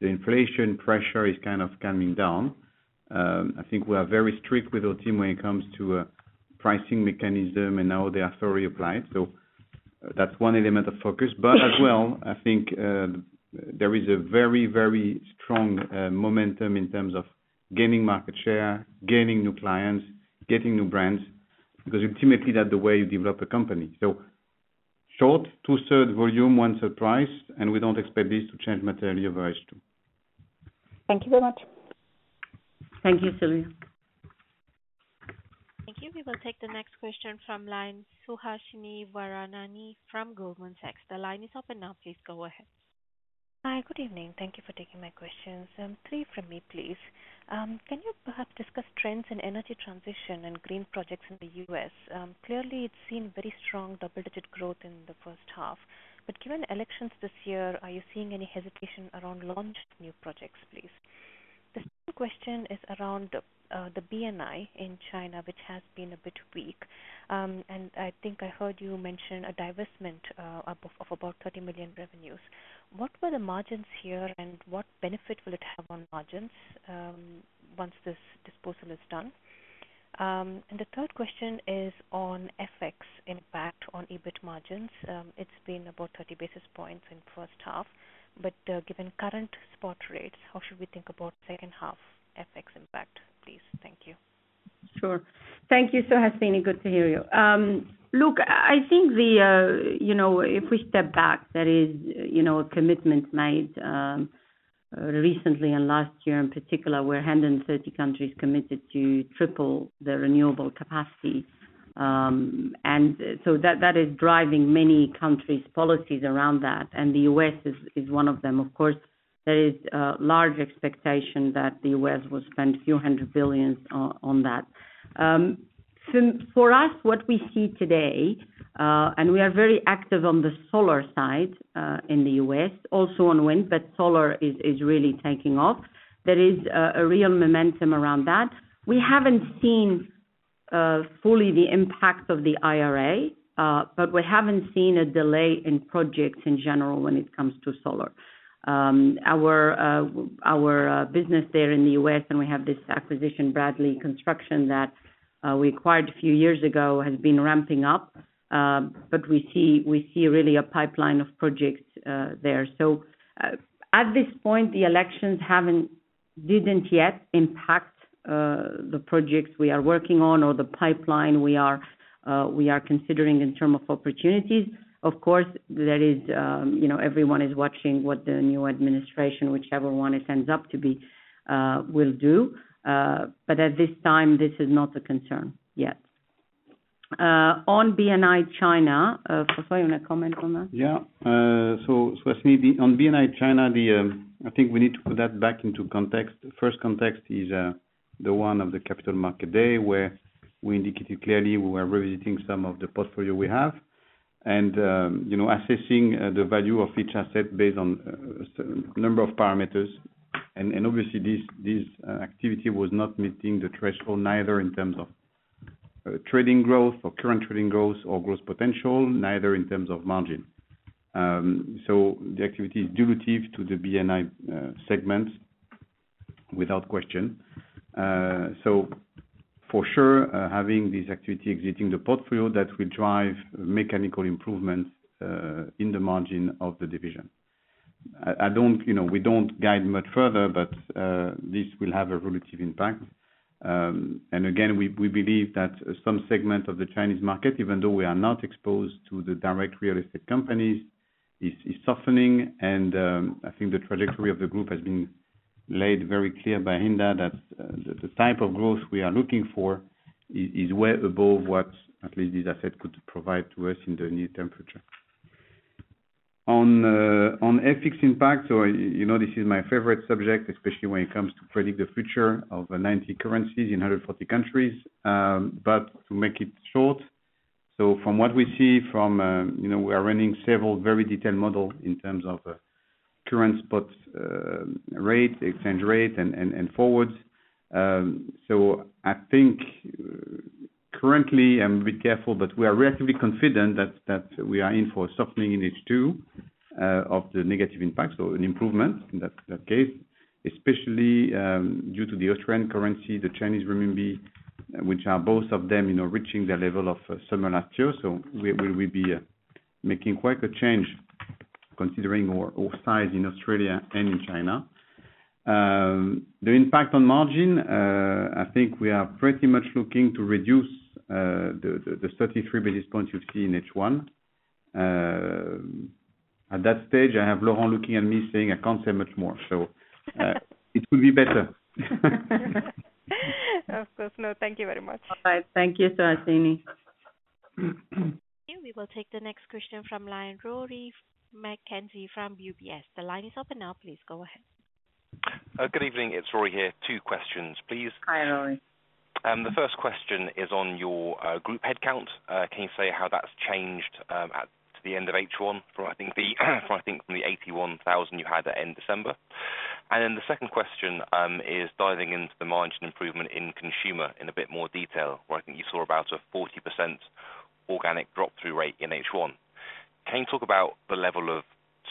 the inflation pressure is kind of coming down. I think we are very strict with our team when it comes to pricing mechanism and how they are so reapplied. So that's one element of focus. But as well, I think, there is a very, very strong momentum in terms of gaining market share, gaining new clients, getting new brands, because ultimately that's the way you develop a company. So two-thirds volume, one-third price, and we don't expect this to change materially over H2. Thank you very much. Thank you, Sylvia. Thank you. We will take the next question from the line, Suhasini Varanasi from Goldman Sachs. The line is open now. Please go ahead. Hi, good evening. Thank you for taking my questions. Three from me, please. Can you perhaps discuss trends in energy transition and green projects in the U.S.? Clearly, it's seen very strong double-digit growth in the first half. But given elections this year, are you seeing any hesitation around launched new projects, please? The second question is around the B&I in China, which has been a bit weak. I think I heard you mention a divestment of about 30 million revenues. What were the margins here, and what benefit will it have on margins once this disposal is done? The third question is on FX impact on EBIT margins. It's been about 30 basis points in first half, but given current spot rates, how should we think about second half FX impact, please? Thank you. Sure. Thank you, Suhasini. Good to hear you. Look, I think the, you know, if we step back, there is, you know, a commitment made, recently and last year in particular, where 130 countries committed to triple the renewable capacity. And so that, that is driving many countries' policies around that, and the U.S. is, is one of them. Of course, there is, large expectation that the U.S. will spend a few 100 billion on, on that. So for us, what we see today, and we are very active on the solar side, in the U.S., also on wind, but solar is, is really taking off. There is, a real momentum around that. We haven't seen fully the impact of the IRA, but we haven't seen a delay in projects in general when it comes to solar. Our business there in the U.S., and we have this acquisition, Bradley Construction, that we acquired a few years ago, has been ramping up, but we see really a pipeline of projects there. So, at this point, the elections haven't, didn't yet impact the projects we are working on or the pipeline we are considering in terms of opportunities. Of course, there is, you know, everyone is watching what the new administration, whichever one it ends up to be, will do. But at this time, this is not a concern yet. On B&I China, François, you want to comment on that? Yeah. So Suhasini, on B&I China, I think we need to put that back into context. First context is the one of the Capital Market Day, where we indicated clearly we were revisiting some of the portfolio we have, and you know, assessing the value of each asset based on certain number of parameters. And obviously, this activity was not meeting the threshold, neither in terms of trading growth or current trading growth or growth potential, neither in terms of margin. So the activity is dilutive to the B&I segment, without question. So for sure, having this activity exiting the portfolio, that will drive mechanical improvements in the margin of the division. I don't, you know, we don't guide much further, but this will have a relative impact. And again, we believe that some segment of the Chinese market, even though we are not exposed to the direct real estate companies, is softening. I think the trajectory of the group has been laid very clear by Hinda, that the type of growth we are looking for is way above what at least this asset could provide to us in the near term future. On FX impact, so you know, this is my favorite subject, especially when it comes to predict the future of 90 currencies in 140 countries. But to make it short, so from what we see from, you know, we are running several very detailed model in terms of current spot rate, exchange rate, and forwards. So I think currently, I'm a bit careful, but we are relatively confident that we are in for a softening in H2 of the negative impact, so an improvement in that case, especially due to the Australian currency, the Chinese renminbi, which are both of them, you know, reaching their level of summer last year. So we will be making quite a change considering our size in Australia and in China. The impact on margin, I think we are pretty much looking to reduce the 33 basis points you see in H1. At that stage, I have Lauren looking at me saying I can't say much more, so it will be better. Of course, no, thank you very much. All right. Thank you, Suhasini. We will take the next question from the line, Rory McKenzie from UBS. The line is open now, please go ahead. Good evening, it's Rory here. Two questions, please. Hi, Rory. The first question is on your group headcount. Can you say how that's changed at the end of H1 from, I think, I think from the 81,000 you had at end December? And then the second question is diving into the margin improvement in Consumer in a bit more detail, where I think you saw about a 40% organic drop-through rate in H1. Can you talk about the level of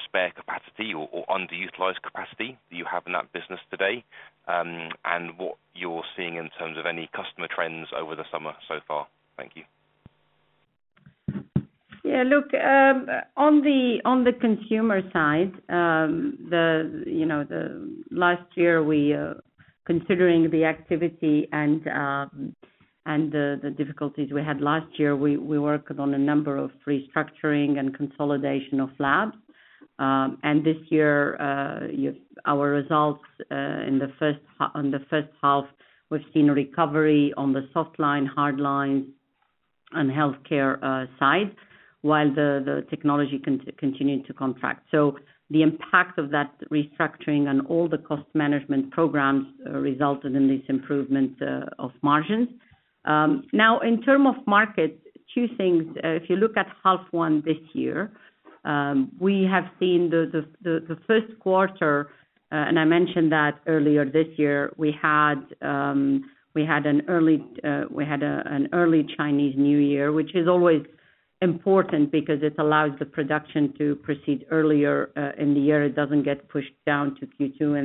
spare capacity or underutilized capacity that you have in that business today, and what you're seeing in terms of any customer trends over the summer so far? Thank you. Yeah, look, on the Consumer side, you know, last year, considering the activity and the difficulties we had last year, we worked on a number of restructuring and consolidation of labs. And this year, our results in the first half, we've seen a recovery on the Softline, Hardline, and healthcare side, while the technology continued to contract. So the impact of that restructuring and all the cost management programs resulted in this improvement of margins. Now, in terms of market, two things. If you look at half one this year, we have seen the first quarter, and I mentioned that earlier this year, we had an early Chinese New Year, which is always important because it allows the production to proceed earlier in the year. It doesn't get pushed down to Q2,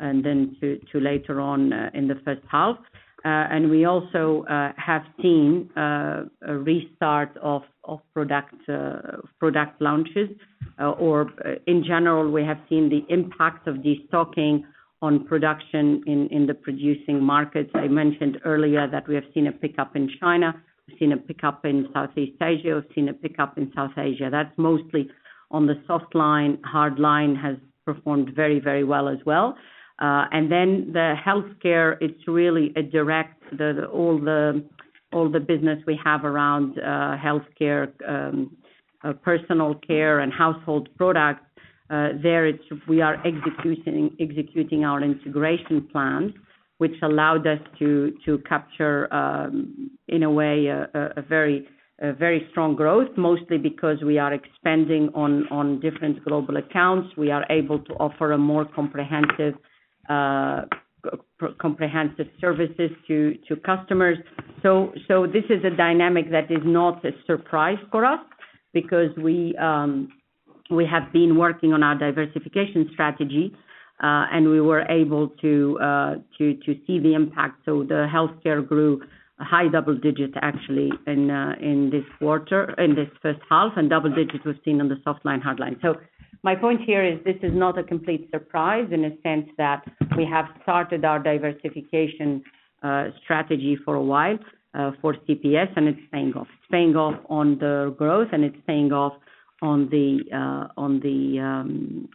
and then to later on in the first half. And we also have seen a restart of product launches. Or in general, we have seen the impact of destocking on production in the producing markets. I mentioned earlier that we have seen a pickup in China, we've seen a pickup in Southeast Asia, we've seen a pickup in South Asia. That's mostly on the soft line. Hardline has performed very, very well as well. And then the healthcare, it's really a direct, the, all the business we have around, healthcare, personal care and household products, there it's we are executing, executing our integration plan, which allowed us to, to capture, in a way, a very strong growth. Mostly because we are expanding on different global accounts, we are able to offer a more comprehensive services to customers. So this is a dynamic that is not a surprise for us, because we have been working on our diversification strategy, and we were able to see the impact. So the healthcare grew a high double digits, actually, in this quarter, in this first half, and double digits was seen on the Softline, Hardline. So my point here is this is not a complete surprise in the sense that we have started our diversification strategy for a while for CPS, and it's paying off. It's paying off on the growth, and it's paying off on the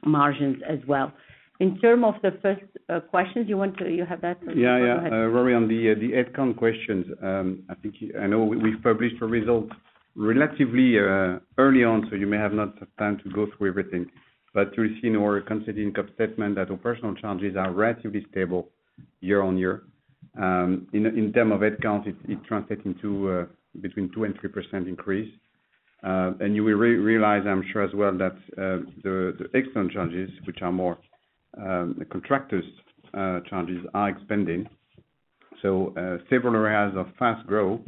margins as well. In term of the first question, do you want to... You have that one? Yeah, yeah. Go ahead. Rory, on the headcount questions, I think you-- I know we've published the results relatively early on, so you may have not had time to go through everything. But you will see in our consolidated income statement that our personnel charges are relatively stable year-on-year. In terms of headcount, it translates into between 2% and 3% increase. And you will realize, I'm sure as well, that the external charges, which are more the contractors charges, are expanding. So, several areas of fast growth,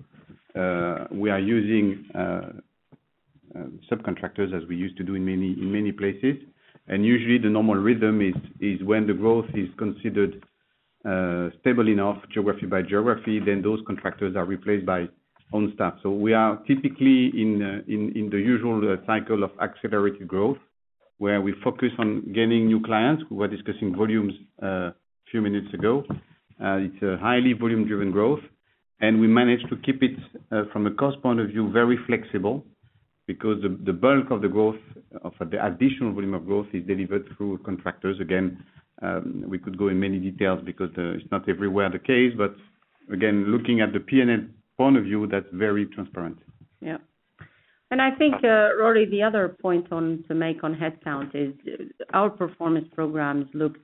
we are using subcontractors as we used to do in many places. And usually the normal rhythm is when the growth is considered stable enough, geography by geography, then those contractors are replaced by on staff. So we are typically in the usual cycle of accelerated growth, where we focus on gaining new clients. We were discussing volumes a few minutes ago. It's a highly volume-driven growth, and we manage to keep it from a cost point of view very flexible, because the bulk of the growth of the additional volume of growth is delivered through contractors. Again, we could go in many details because it's not everywhere the case, but again, looking at the P&L point of view, that's very transparent. Yeah. And I think, Rory, the other point one to make on headcount is our performance programs look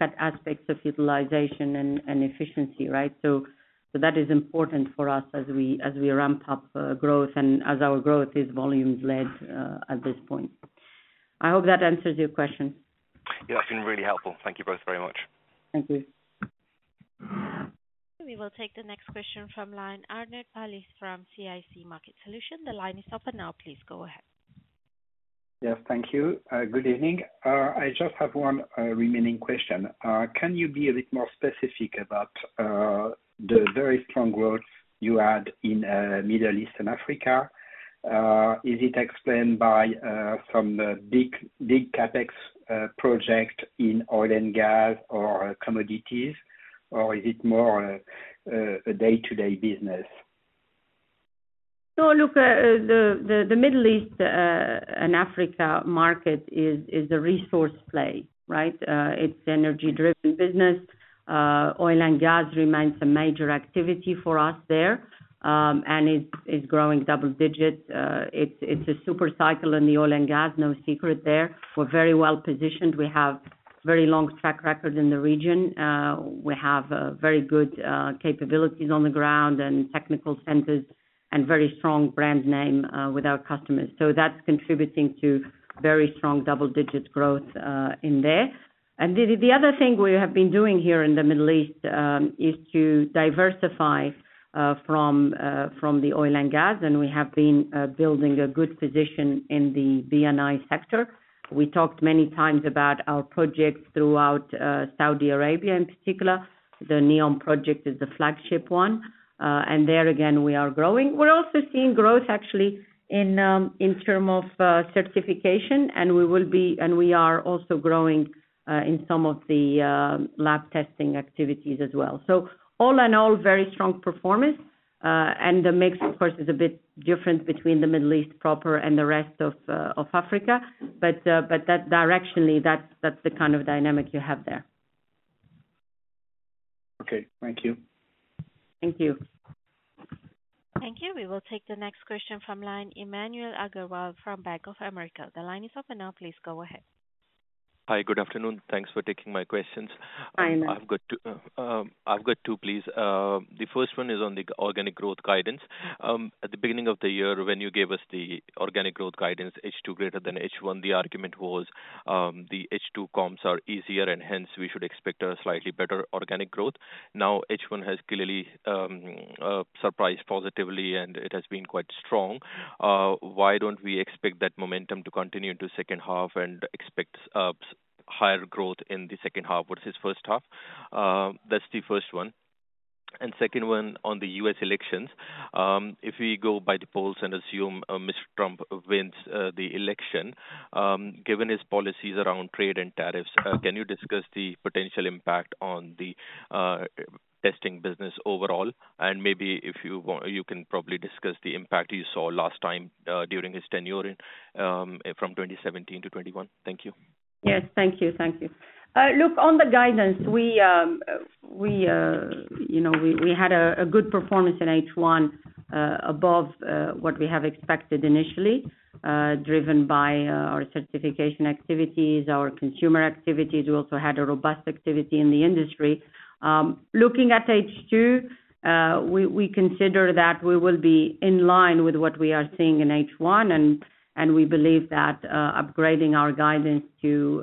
at aspects of utilization and efficiency, right? So, that is important for us as we ramp up growth and as our growth is volumes led at this point. I hope that answers your question. Yeah, that's been really helpful. Thank you both very much. Thank you. We will take the next question from line, Arnaud Palliez from CIC Market Solutions. The line is open now, please go ahead. Yes, thank you. Good evening. I just have one remaining question. Can you be a bit more specific about the very strong growth you had in Middle East and Africa? Is it explained by from the big big CapEx project in oil and gas or commodities, or is it more a day-to-day business? So look, the Middle East and Africa market is a resource play, right? It's energy-driven business. Oil and gas remains a major activity for us there, and it's growing double digits. It's a super cycle in the oil and gas, no secret there. We're very well positioned. We have very long track record in the region. We have a very good capabilities on the ground and technical centers and very strong brand name with our customers. So that's contributing to very strong double-digit growth in there. And the other thing we have been doing here in the Middle East is to diversify from the oil and gas, and we have been building a good position in the B&I sector. We talked many times about our projects throughout Saudi Arabia in particular. The NEOM project is the flagship one, and there again, we are growing. We're also seeing growth actually in terms of certification, and we are also growing in some of the lab testing activities as well. So all in all, very strong performance, and the mix, of course, is a bit different between the Middle East proper and the rest of Africa. But that directionally, that's the kind of dynamic you have there. Okay, thank you. Thank you. Thank you. We will take the next question from line, Himanshu Agarwal from Bank of America. The line is open now, please go ahead. Hi, good afternoon. Thanks for taking my questions. Hi, Himanshu. I've got two, please. The first one is on the organic growth guidance. At the beginning of the year, when you gave us the organic growth guidance, H2 greater than H1, the argument was, the H2 comps are easier and hence we should expect a slightly better organic growth. Now, H1 has clearly surprised positively and it has been quite strong. Why don't we expect that momentum to continue into second half and expect higher growth in the second half versus first half? That's the first one. And second one, on the U.S. elections. If we go by the polls and assume Mr. Trump wins the election, given his policies around trade and tariffs, can you discuss the potential impact on the testing business overall? Maybe if you want, you can probably discuss the impact you saw last time during his tenure from 2017 to 2021. Thank you. Yes, thank you. Thank you. Look, on the guidance, we, you know, we had a good performance in H1, above what we have expected initially, driven by our certification activities, our Consumer activities. We also had a robust activity in the Industry. Looking at H2, we consider that we will be in line with what we are seeing in H1, and we believe that upgrading our guidance to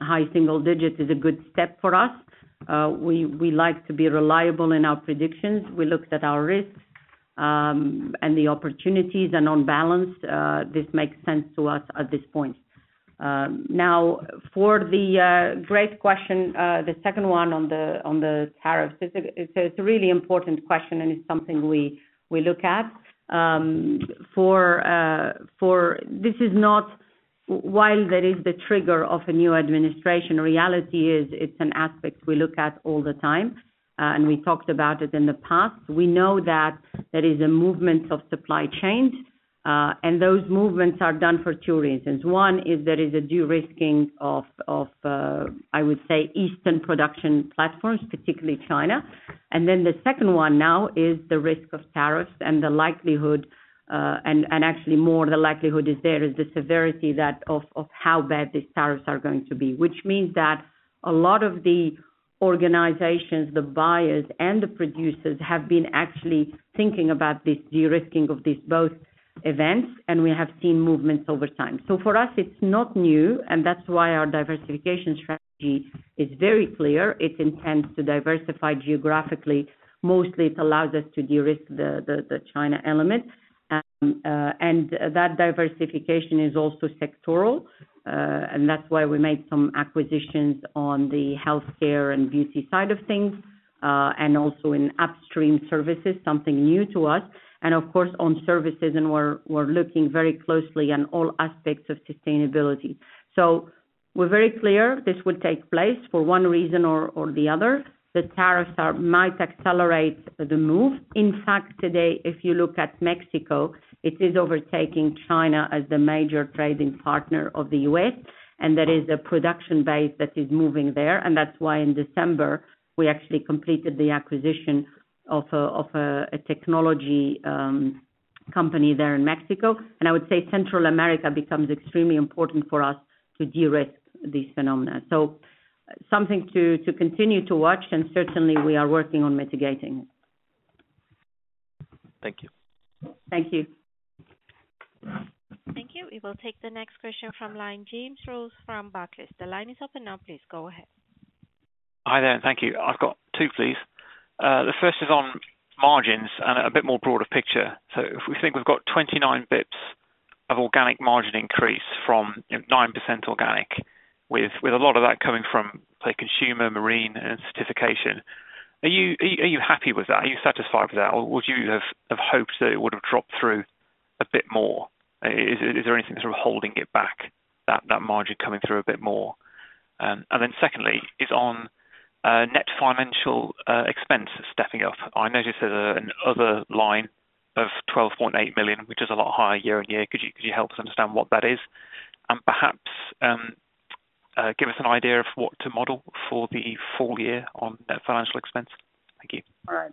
high single digits is a good step for us. We like to be reliable in our predictions. We looked at our risks and the opportunities, and on balance, this makes sense to us at this point. Now, for the great question, the second one on the tariffs, it's a really important question, and it's something we look at. This is not while there is the trigger of a new administration. Reality is, it's an aspect we look at all the time, and we talked about it in the past. We know that there is a movement of supply chains, and those movements are done for two reasons. One, is there is a de-risking of, I would say, eastern production platforms, particularly China. And then the second one now is the risk of tariffs and the likelihood, actually more the likelihood is there, is the severity that of how bad these tariffs are going to be, which means that a lot of the organizations, the buyers and the producers, have been actually thinking about this de-risking of these both events, and we have seen movements over time. So for us, it's not new, and that's why our diversification strategy is very clear. It intends to diversify geographically. Mostly, it allows us to de-risk the China element. And that diversification is also sectoral, and that's why we made some acquisitions on the healthcare and beauty side of things, and also in upstream services, something new to us, and of course, on services, and we're looking very closely on all aspects of sustainability. So we're very clear this will take place for one reason or the other. The tariffs might accelerate the move. In fact, today, if you look at Mexico, it is overtaking China as the major trading partner of the U.S., and there is a production base that is moving there, and that's why in December, we actually completed the acquisition of a technology company there in Mexico. I would say Central America becomes extremely important for us to de-risk this phenomenon. So something to continue to watch, and certainly we are working on mitigating it. Thank you. Thank you. Thank you. We will take the next question from line, James Rose from Barclays. The line is open now, please go ahead. Hi there, thank you. I've got two, please. The first is on margins and a bit more broader picture. So if we think we've got 29 basis points of organic margin increase from 9% organic, with a lot of that coming from, say, Consumer, Marine, and Certification, are you happy with that? Are you satisfied with that, or would you have hoped that it would have dropped through a bit more? Is there anything sort of holding it back, that margin coming through a bit more? And then secondly, is on net financial expense stepping up. I noticed there's an other line of 12.8 million, which is a lot higher year-on-year. Could you help us understand what that is? Perhaps, give us an idea of what to model for the full year on net financial expense? Thank you. All right.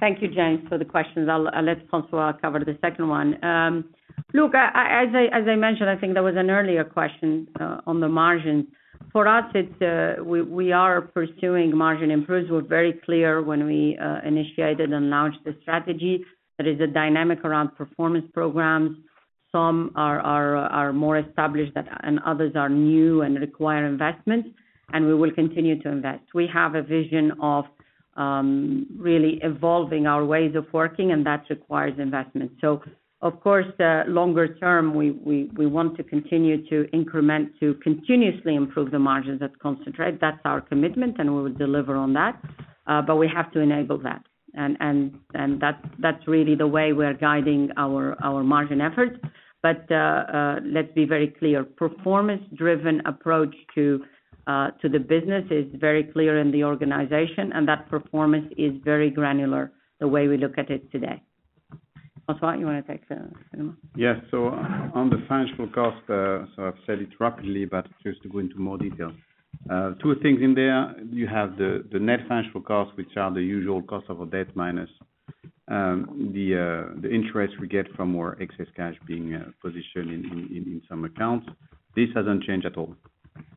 Thank you, James, for the questions. I'll let François cover the second one. Look, as I mentioned, I think there was an earlier question on the margin. For us, it's we are pursuing margin improvements. We're very clear when we initiated and launched the strategy. There is a dynamic around performance programs. Some are more established than others and are new and require investment, and we will continue to invest. We have a vision of really evolving our ways of working, and that requires investment. So of course, in the longer term, we want to continue to increment, to continuously improve the margins. That's our commitment, and we will deliver on that, but we have to enable that. And that's really the way we're guiding our margin efforts. But, let's be very clear, performance-driven approach to the business is very clear in the organization, and that performance is very granular the way we look at it today. François, you wanna take the second one? Yes. So on the financial cost, so I've said it rapidly, but just to go into more detail. Two things in there. You have the net financial costs, which are the usual cost of a debt minus the interest we get from more excess cash being positioned in some accounts. This hasn't changed at all.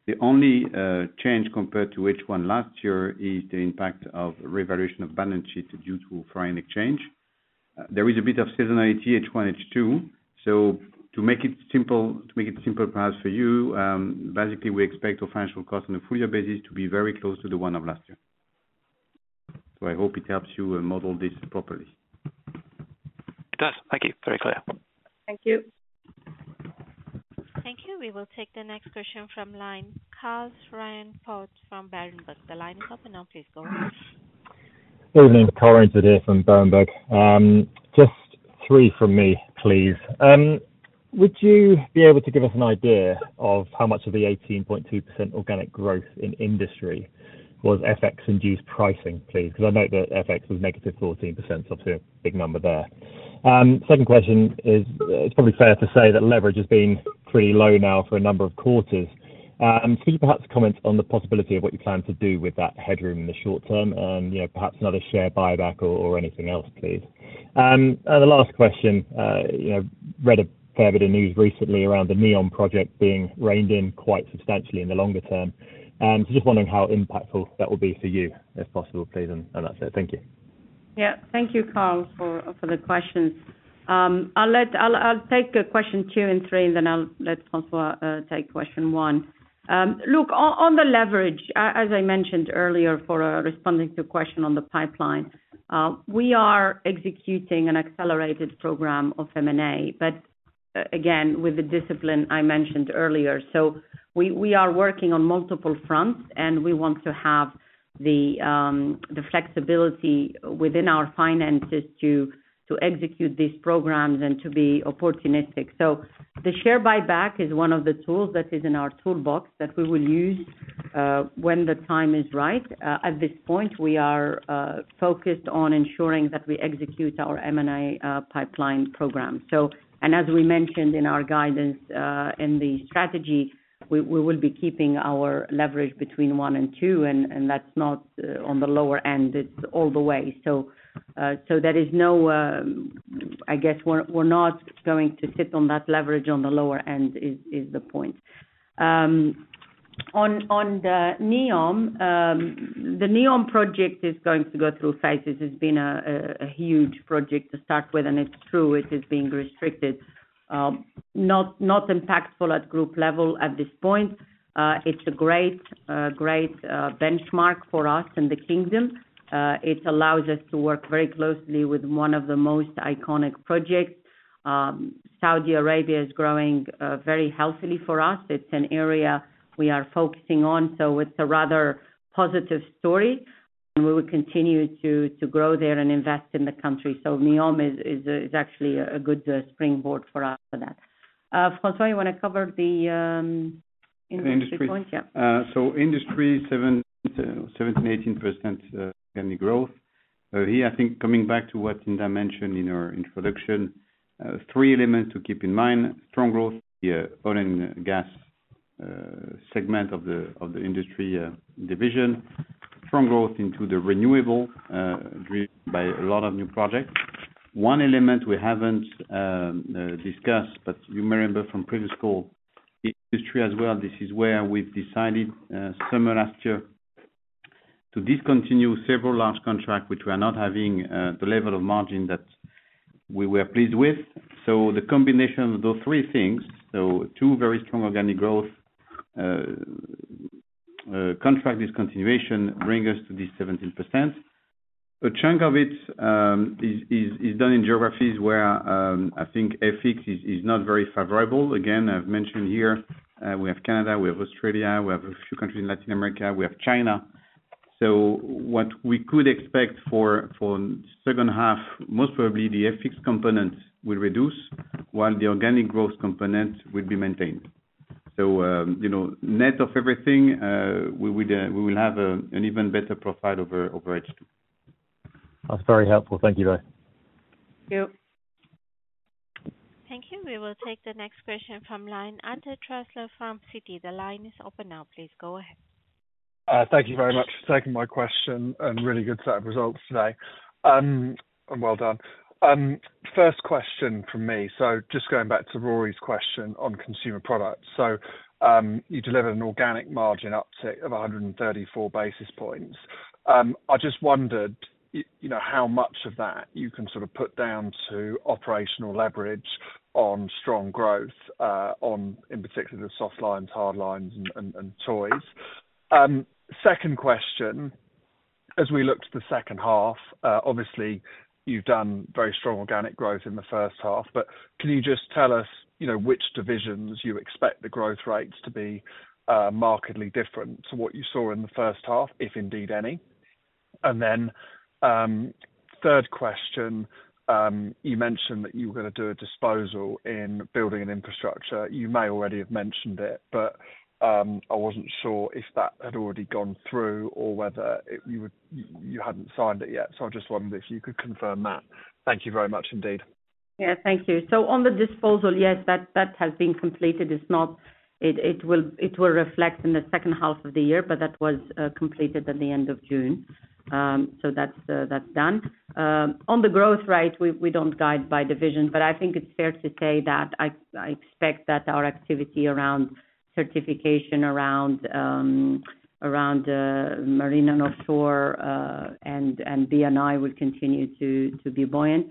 The only change compared to H1 last year is the impact of revaluation of balance sheet due to foreign exchange. There is a bit of seasonality, H1, H2. So to make it simple perhaps for you, basically, we expect our financial cost on a full year basis to be very close to the one of last year. So I hope it helps you model this properly. It does. Thank you. Very clear. Thank you. Thank you. We will take the next question from the line of Karl Green from Berenberg. The line is open now, please go ahead. Good evening, Karl Green today from Berenberg. Just three from me, please. Would you be able to give us an idea of how much of the 18.2% organic growth in Industry was FX-induced pricing, please? Because I note that FX was -14%, so it's a big number there. Second question is, it's probably fair to say that leverage has been pretty low now for a number of quarters. Could you perhaps comment on the possibility of what you plan to do with that headroom in the short term? You know, perhaps another share buyback or, or anything else, please. And the last question, you know, read a fair bit of news recently around the NEOM project being reined in quite substantially in the longer term. So just wondering how impactful that will be for you, if possible, please, and, and that's it. Thank you. Yeah. Thank you, Karl, for the questions. I'll take questions two and three, and then I'll let François take question one. Look, on the leverage, as I mentioned earlier, for responding to a question on the pipeline, we are executing an accelerated program of M&A, but again, with the discipline I mentioned earlier. So we are working on multiple fronts, and we want to have the flexibility within our finances to execute these programs and to be opportunistic. So the share buyback is one of the tools that is in our toolbox that we will use when the time is right. At this point, we are focused on ensuring that we execute our M&A pipeline program. As we mentioned in our guidance, in the strategy, we will be keeping our leverage between one and two, and that's not on the lower end, it's all the way. So, there is no... I guess we're not going to sit on that leverage on the lower end, is the point. On the NEOM, the NEOM project is going to go through phases. It's been a huge project to start with, and it's true, it is being restricted. Not impactful at group level at this point. It's a great benchmark for us in the Kingdom. It allows us to work very closely with one of the most iconic projects. Saudi Arabia is growing very healthily for us. It's an area we are focusing on, so it's a rather positive story, and we will continue to grow there and invest in the country. So NEOM is actually a good springboard for us for that. François, you wanna cover the Industry point? The Industry? Yeah. So Industry seven, 17%, 18% organic growth. Here, I think coming back to what Hinda mentioned in our introduction, three elements to keep in mind: strong growth, the oil and gas segment of the Industry division. Strong growth into the renewable driven by a lot of new projects. One element we haven't discussed, but you may remember from previous call, Industry as well, this is where we've decided summer last year to discontinue several large contract, which we are not having the level of margin that we were pleased with. So the combination of those three things, so two very strong organic growth, contract discontinuation, bring us to this 17%. A chunk of it is done in geographies where I think FX is not very favorable. Again, I've mentioned here, we have Canada, we have Australia, we have a few countries in Latin America, we have China. So what we could expect for second half, most probably the FX component will reduce, while the organic growth component will be maintained. So, you know, net of everything, we would, we will have a, an even better profile over H2. That's very helpful. Thank you both. Thank you. Thank you. We will take the next question from line, Arthur Truslove from Citi. The line is open now, please go ahead. Thank you very much for taking my question, and really good set of results today, and well done. First question from me, so just going back to Rory's question on Consumer Products. So, you delivered an organic margin uptick of 134 basis points. I just wondered you know, how much of that you can sort of put down to operational leverage on strong growth, on, in particular, the Softlines, Hardlines, and, and, and toys? Second question, as we look to the second half, obviously, you've done very strong organic growth in the first half, but can you just tell us, you know, which divisions you expect the growth rates to be markedly different to what you saw in the first half, if indeed any? And then, third question, you mentioned that you were gonna do a disposal in Buildings and Infrastructure. You may already have mentioned it, but I wasn't sure if that had already gone through or whether it you would, you hadn't signed it yet. So I just wondered if you could confirm that. Thank you very much indeed. Yeah, thank you. So on the disposal, yes, that, that has been completed. It's not... It, it will, it will reflect in the second half of the year, but that was completed at the end of June. So that's, that's done. On the growth rate, we, we don't guide by division, but I think it's fair to say that I, I expect that our activity around certification, around, around, Marine and Offshore, and, and B&I will continue to, to be buoyant.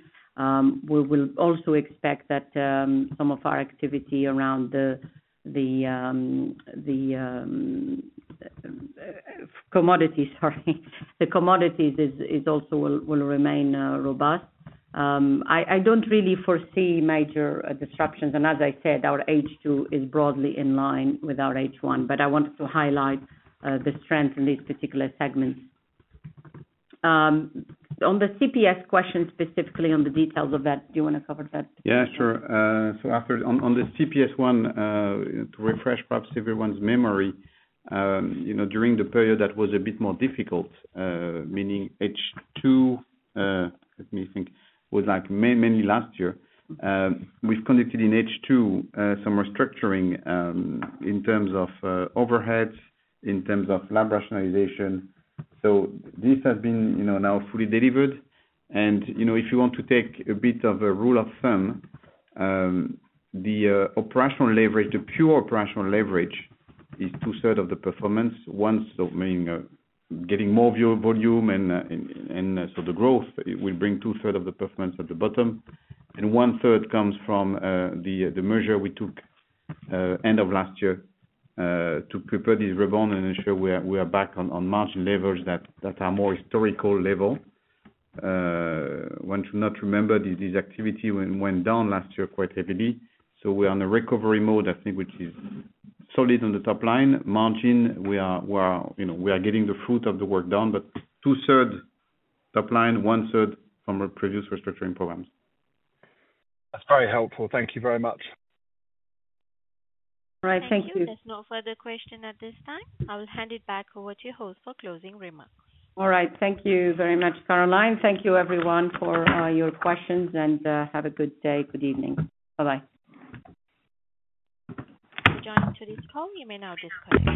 We will also expect that, some of our activity around the, the, the, commodity, sorry. The commodities is, is also will, will remain robust. I don't really foresee major disruptions, and as I said, our H2 is broadly in line with our H1, but I wanted to highlight the strength in these particular segments. On the CPS question, specifically on the details of that, do you wanna cover that? Yeah, sure. So after on the CPS one, to refresh perhaps everyone's memory, you know, during the period that was a bit more difficult, meaning H2, let me think, was like May, mainly last year. We've conducted in H2, some restructuring, in terms of, overheads, in terms of lab rationalization. So this has been, you know, now fully delivered, and, you know, if you want to take a bit of a rule of thumb, the, operational leverage, the pure operational leverage, is two-third of the performance. One, so meaning, getting more view volume and, and, and so the growth, it will bring two-third of the performance at the bottom. And one-third comes from the measures we took end of last year to prepare this rebound and ensure we are back on margin levels that are more historical level. One should not remember that this activity went down last year quite heavily, so we are on a recovery mode, I think, which is solid on the top line. Margin, we are, you know, getting the fruit of the work done, but two-thirds top line, one-third from our previous restructuring programs. That's very helpful. Thank you very much. All right, thank you. Thank you. There's no further question at this time. I will hand it back over to you host for closing remarks. All right. Thank you very much, Caroline. Thank you, everyone, for your questions and have a good day. Good evening. Bye-bye. Thank you to this call. You may now disconnect.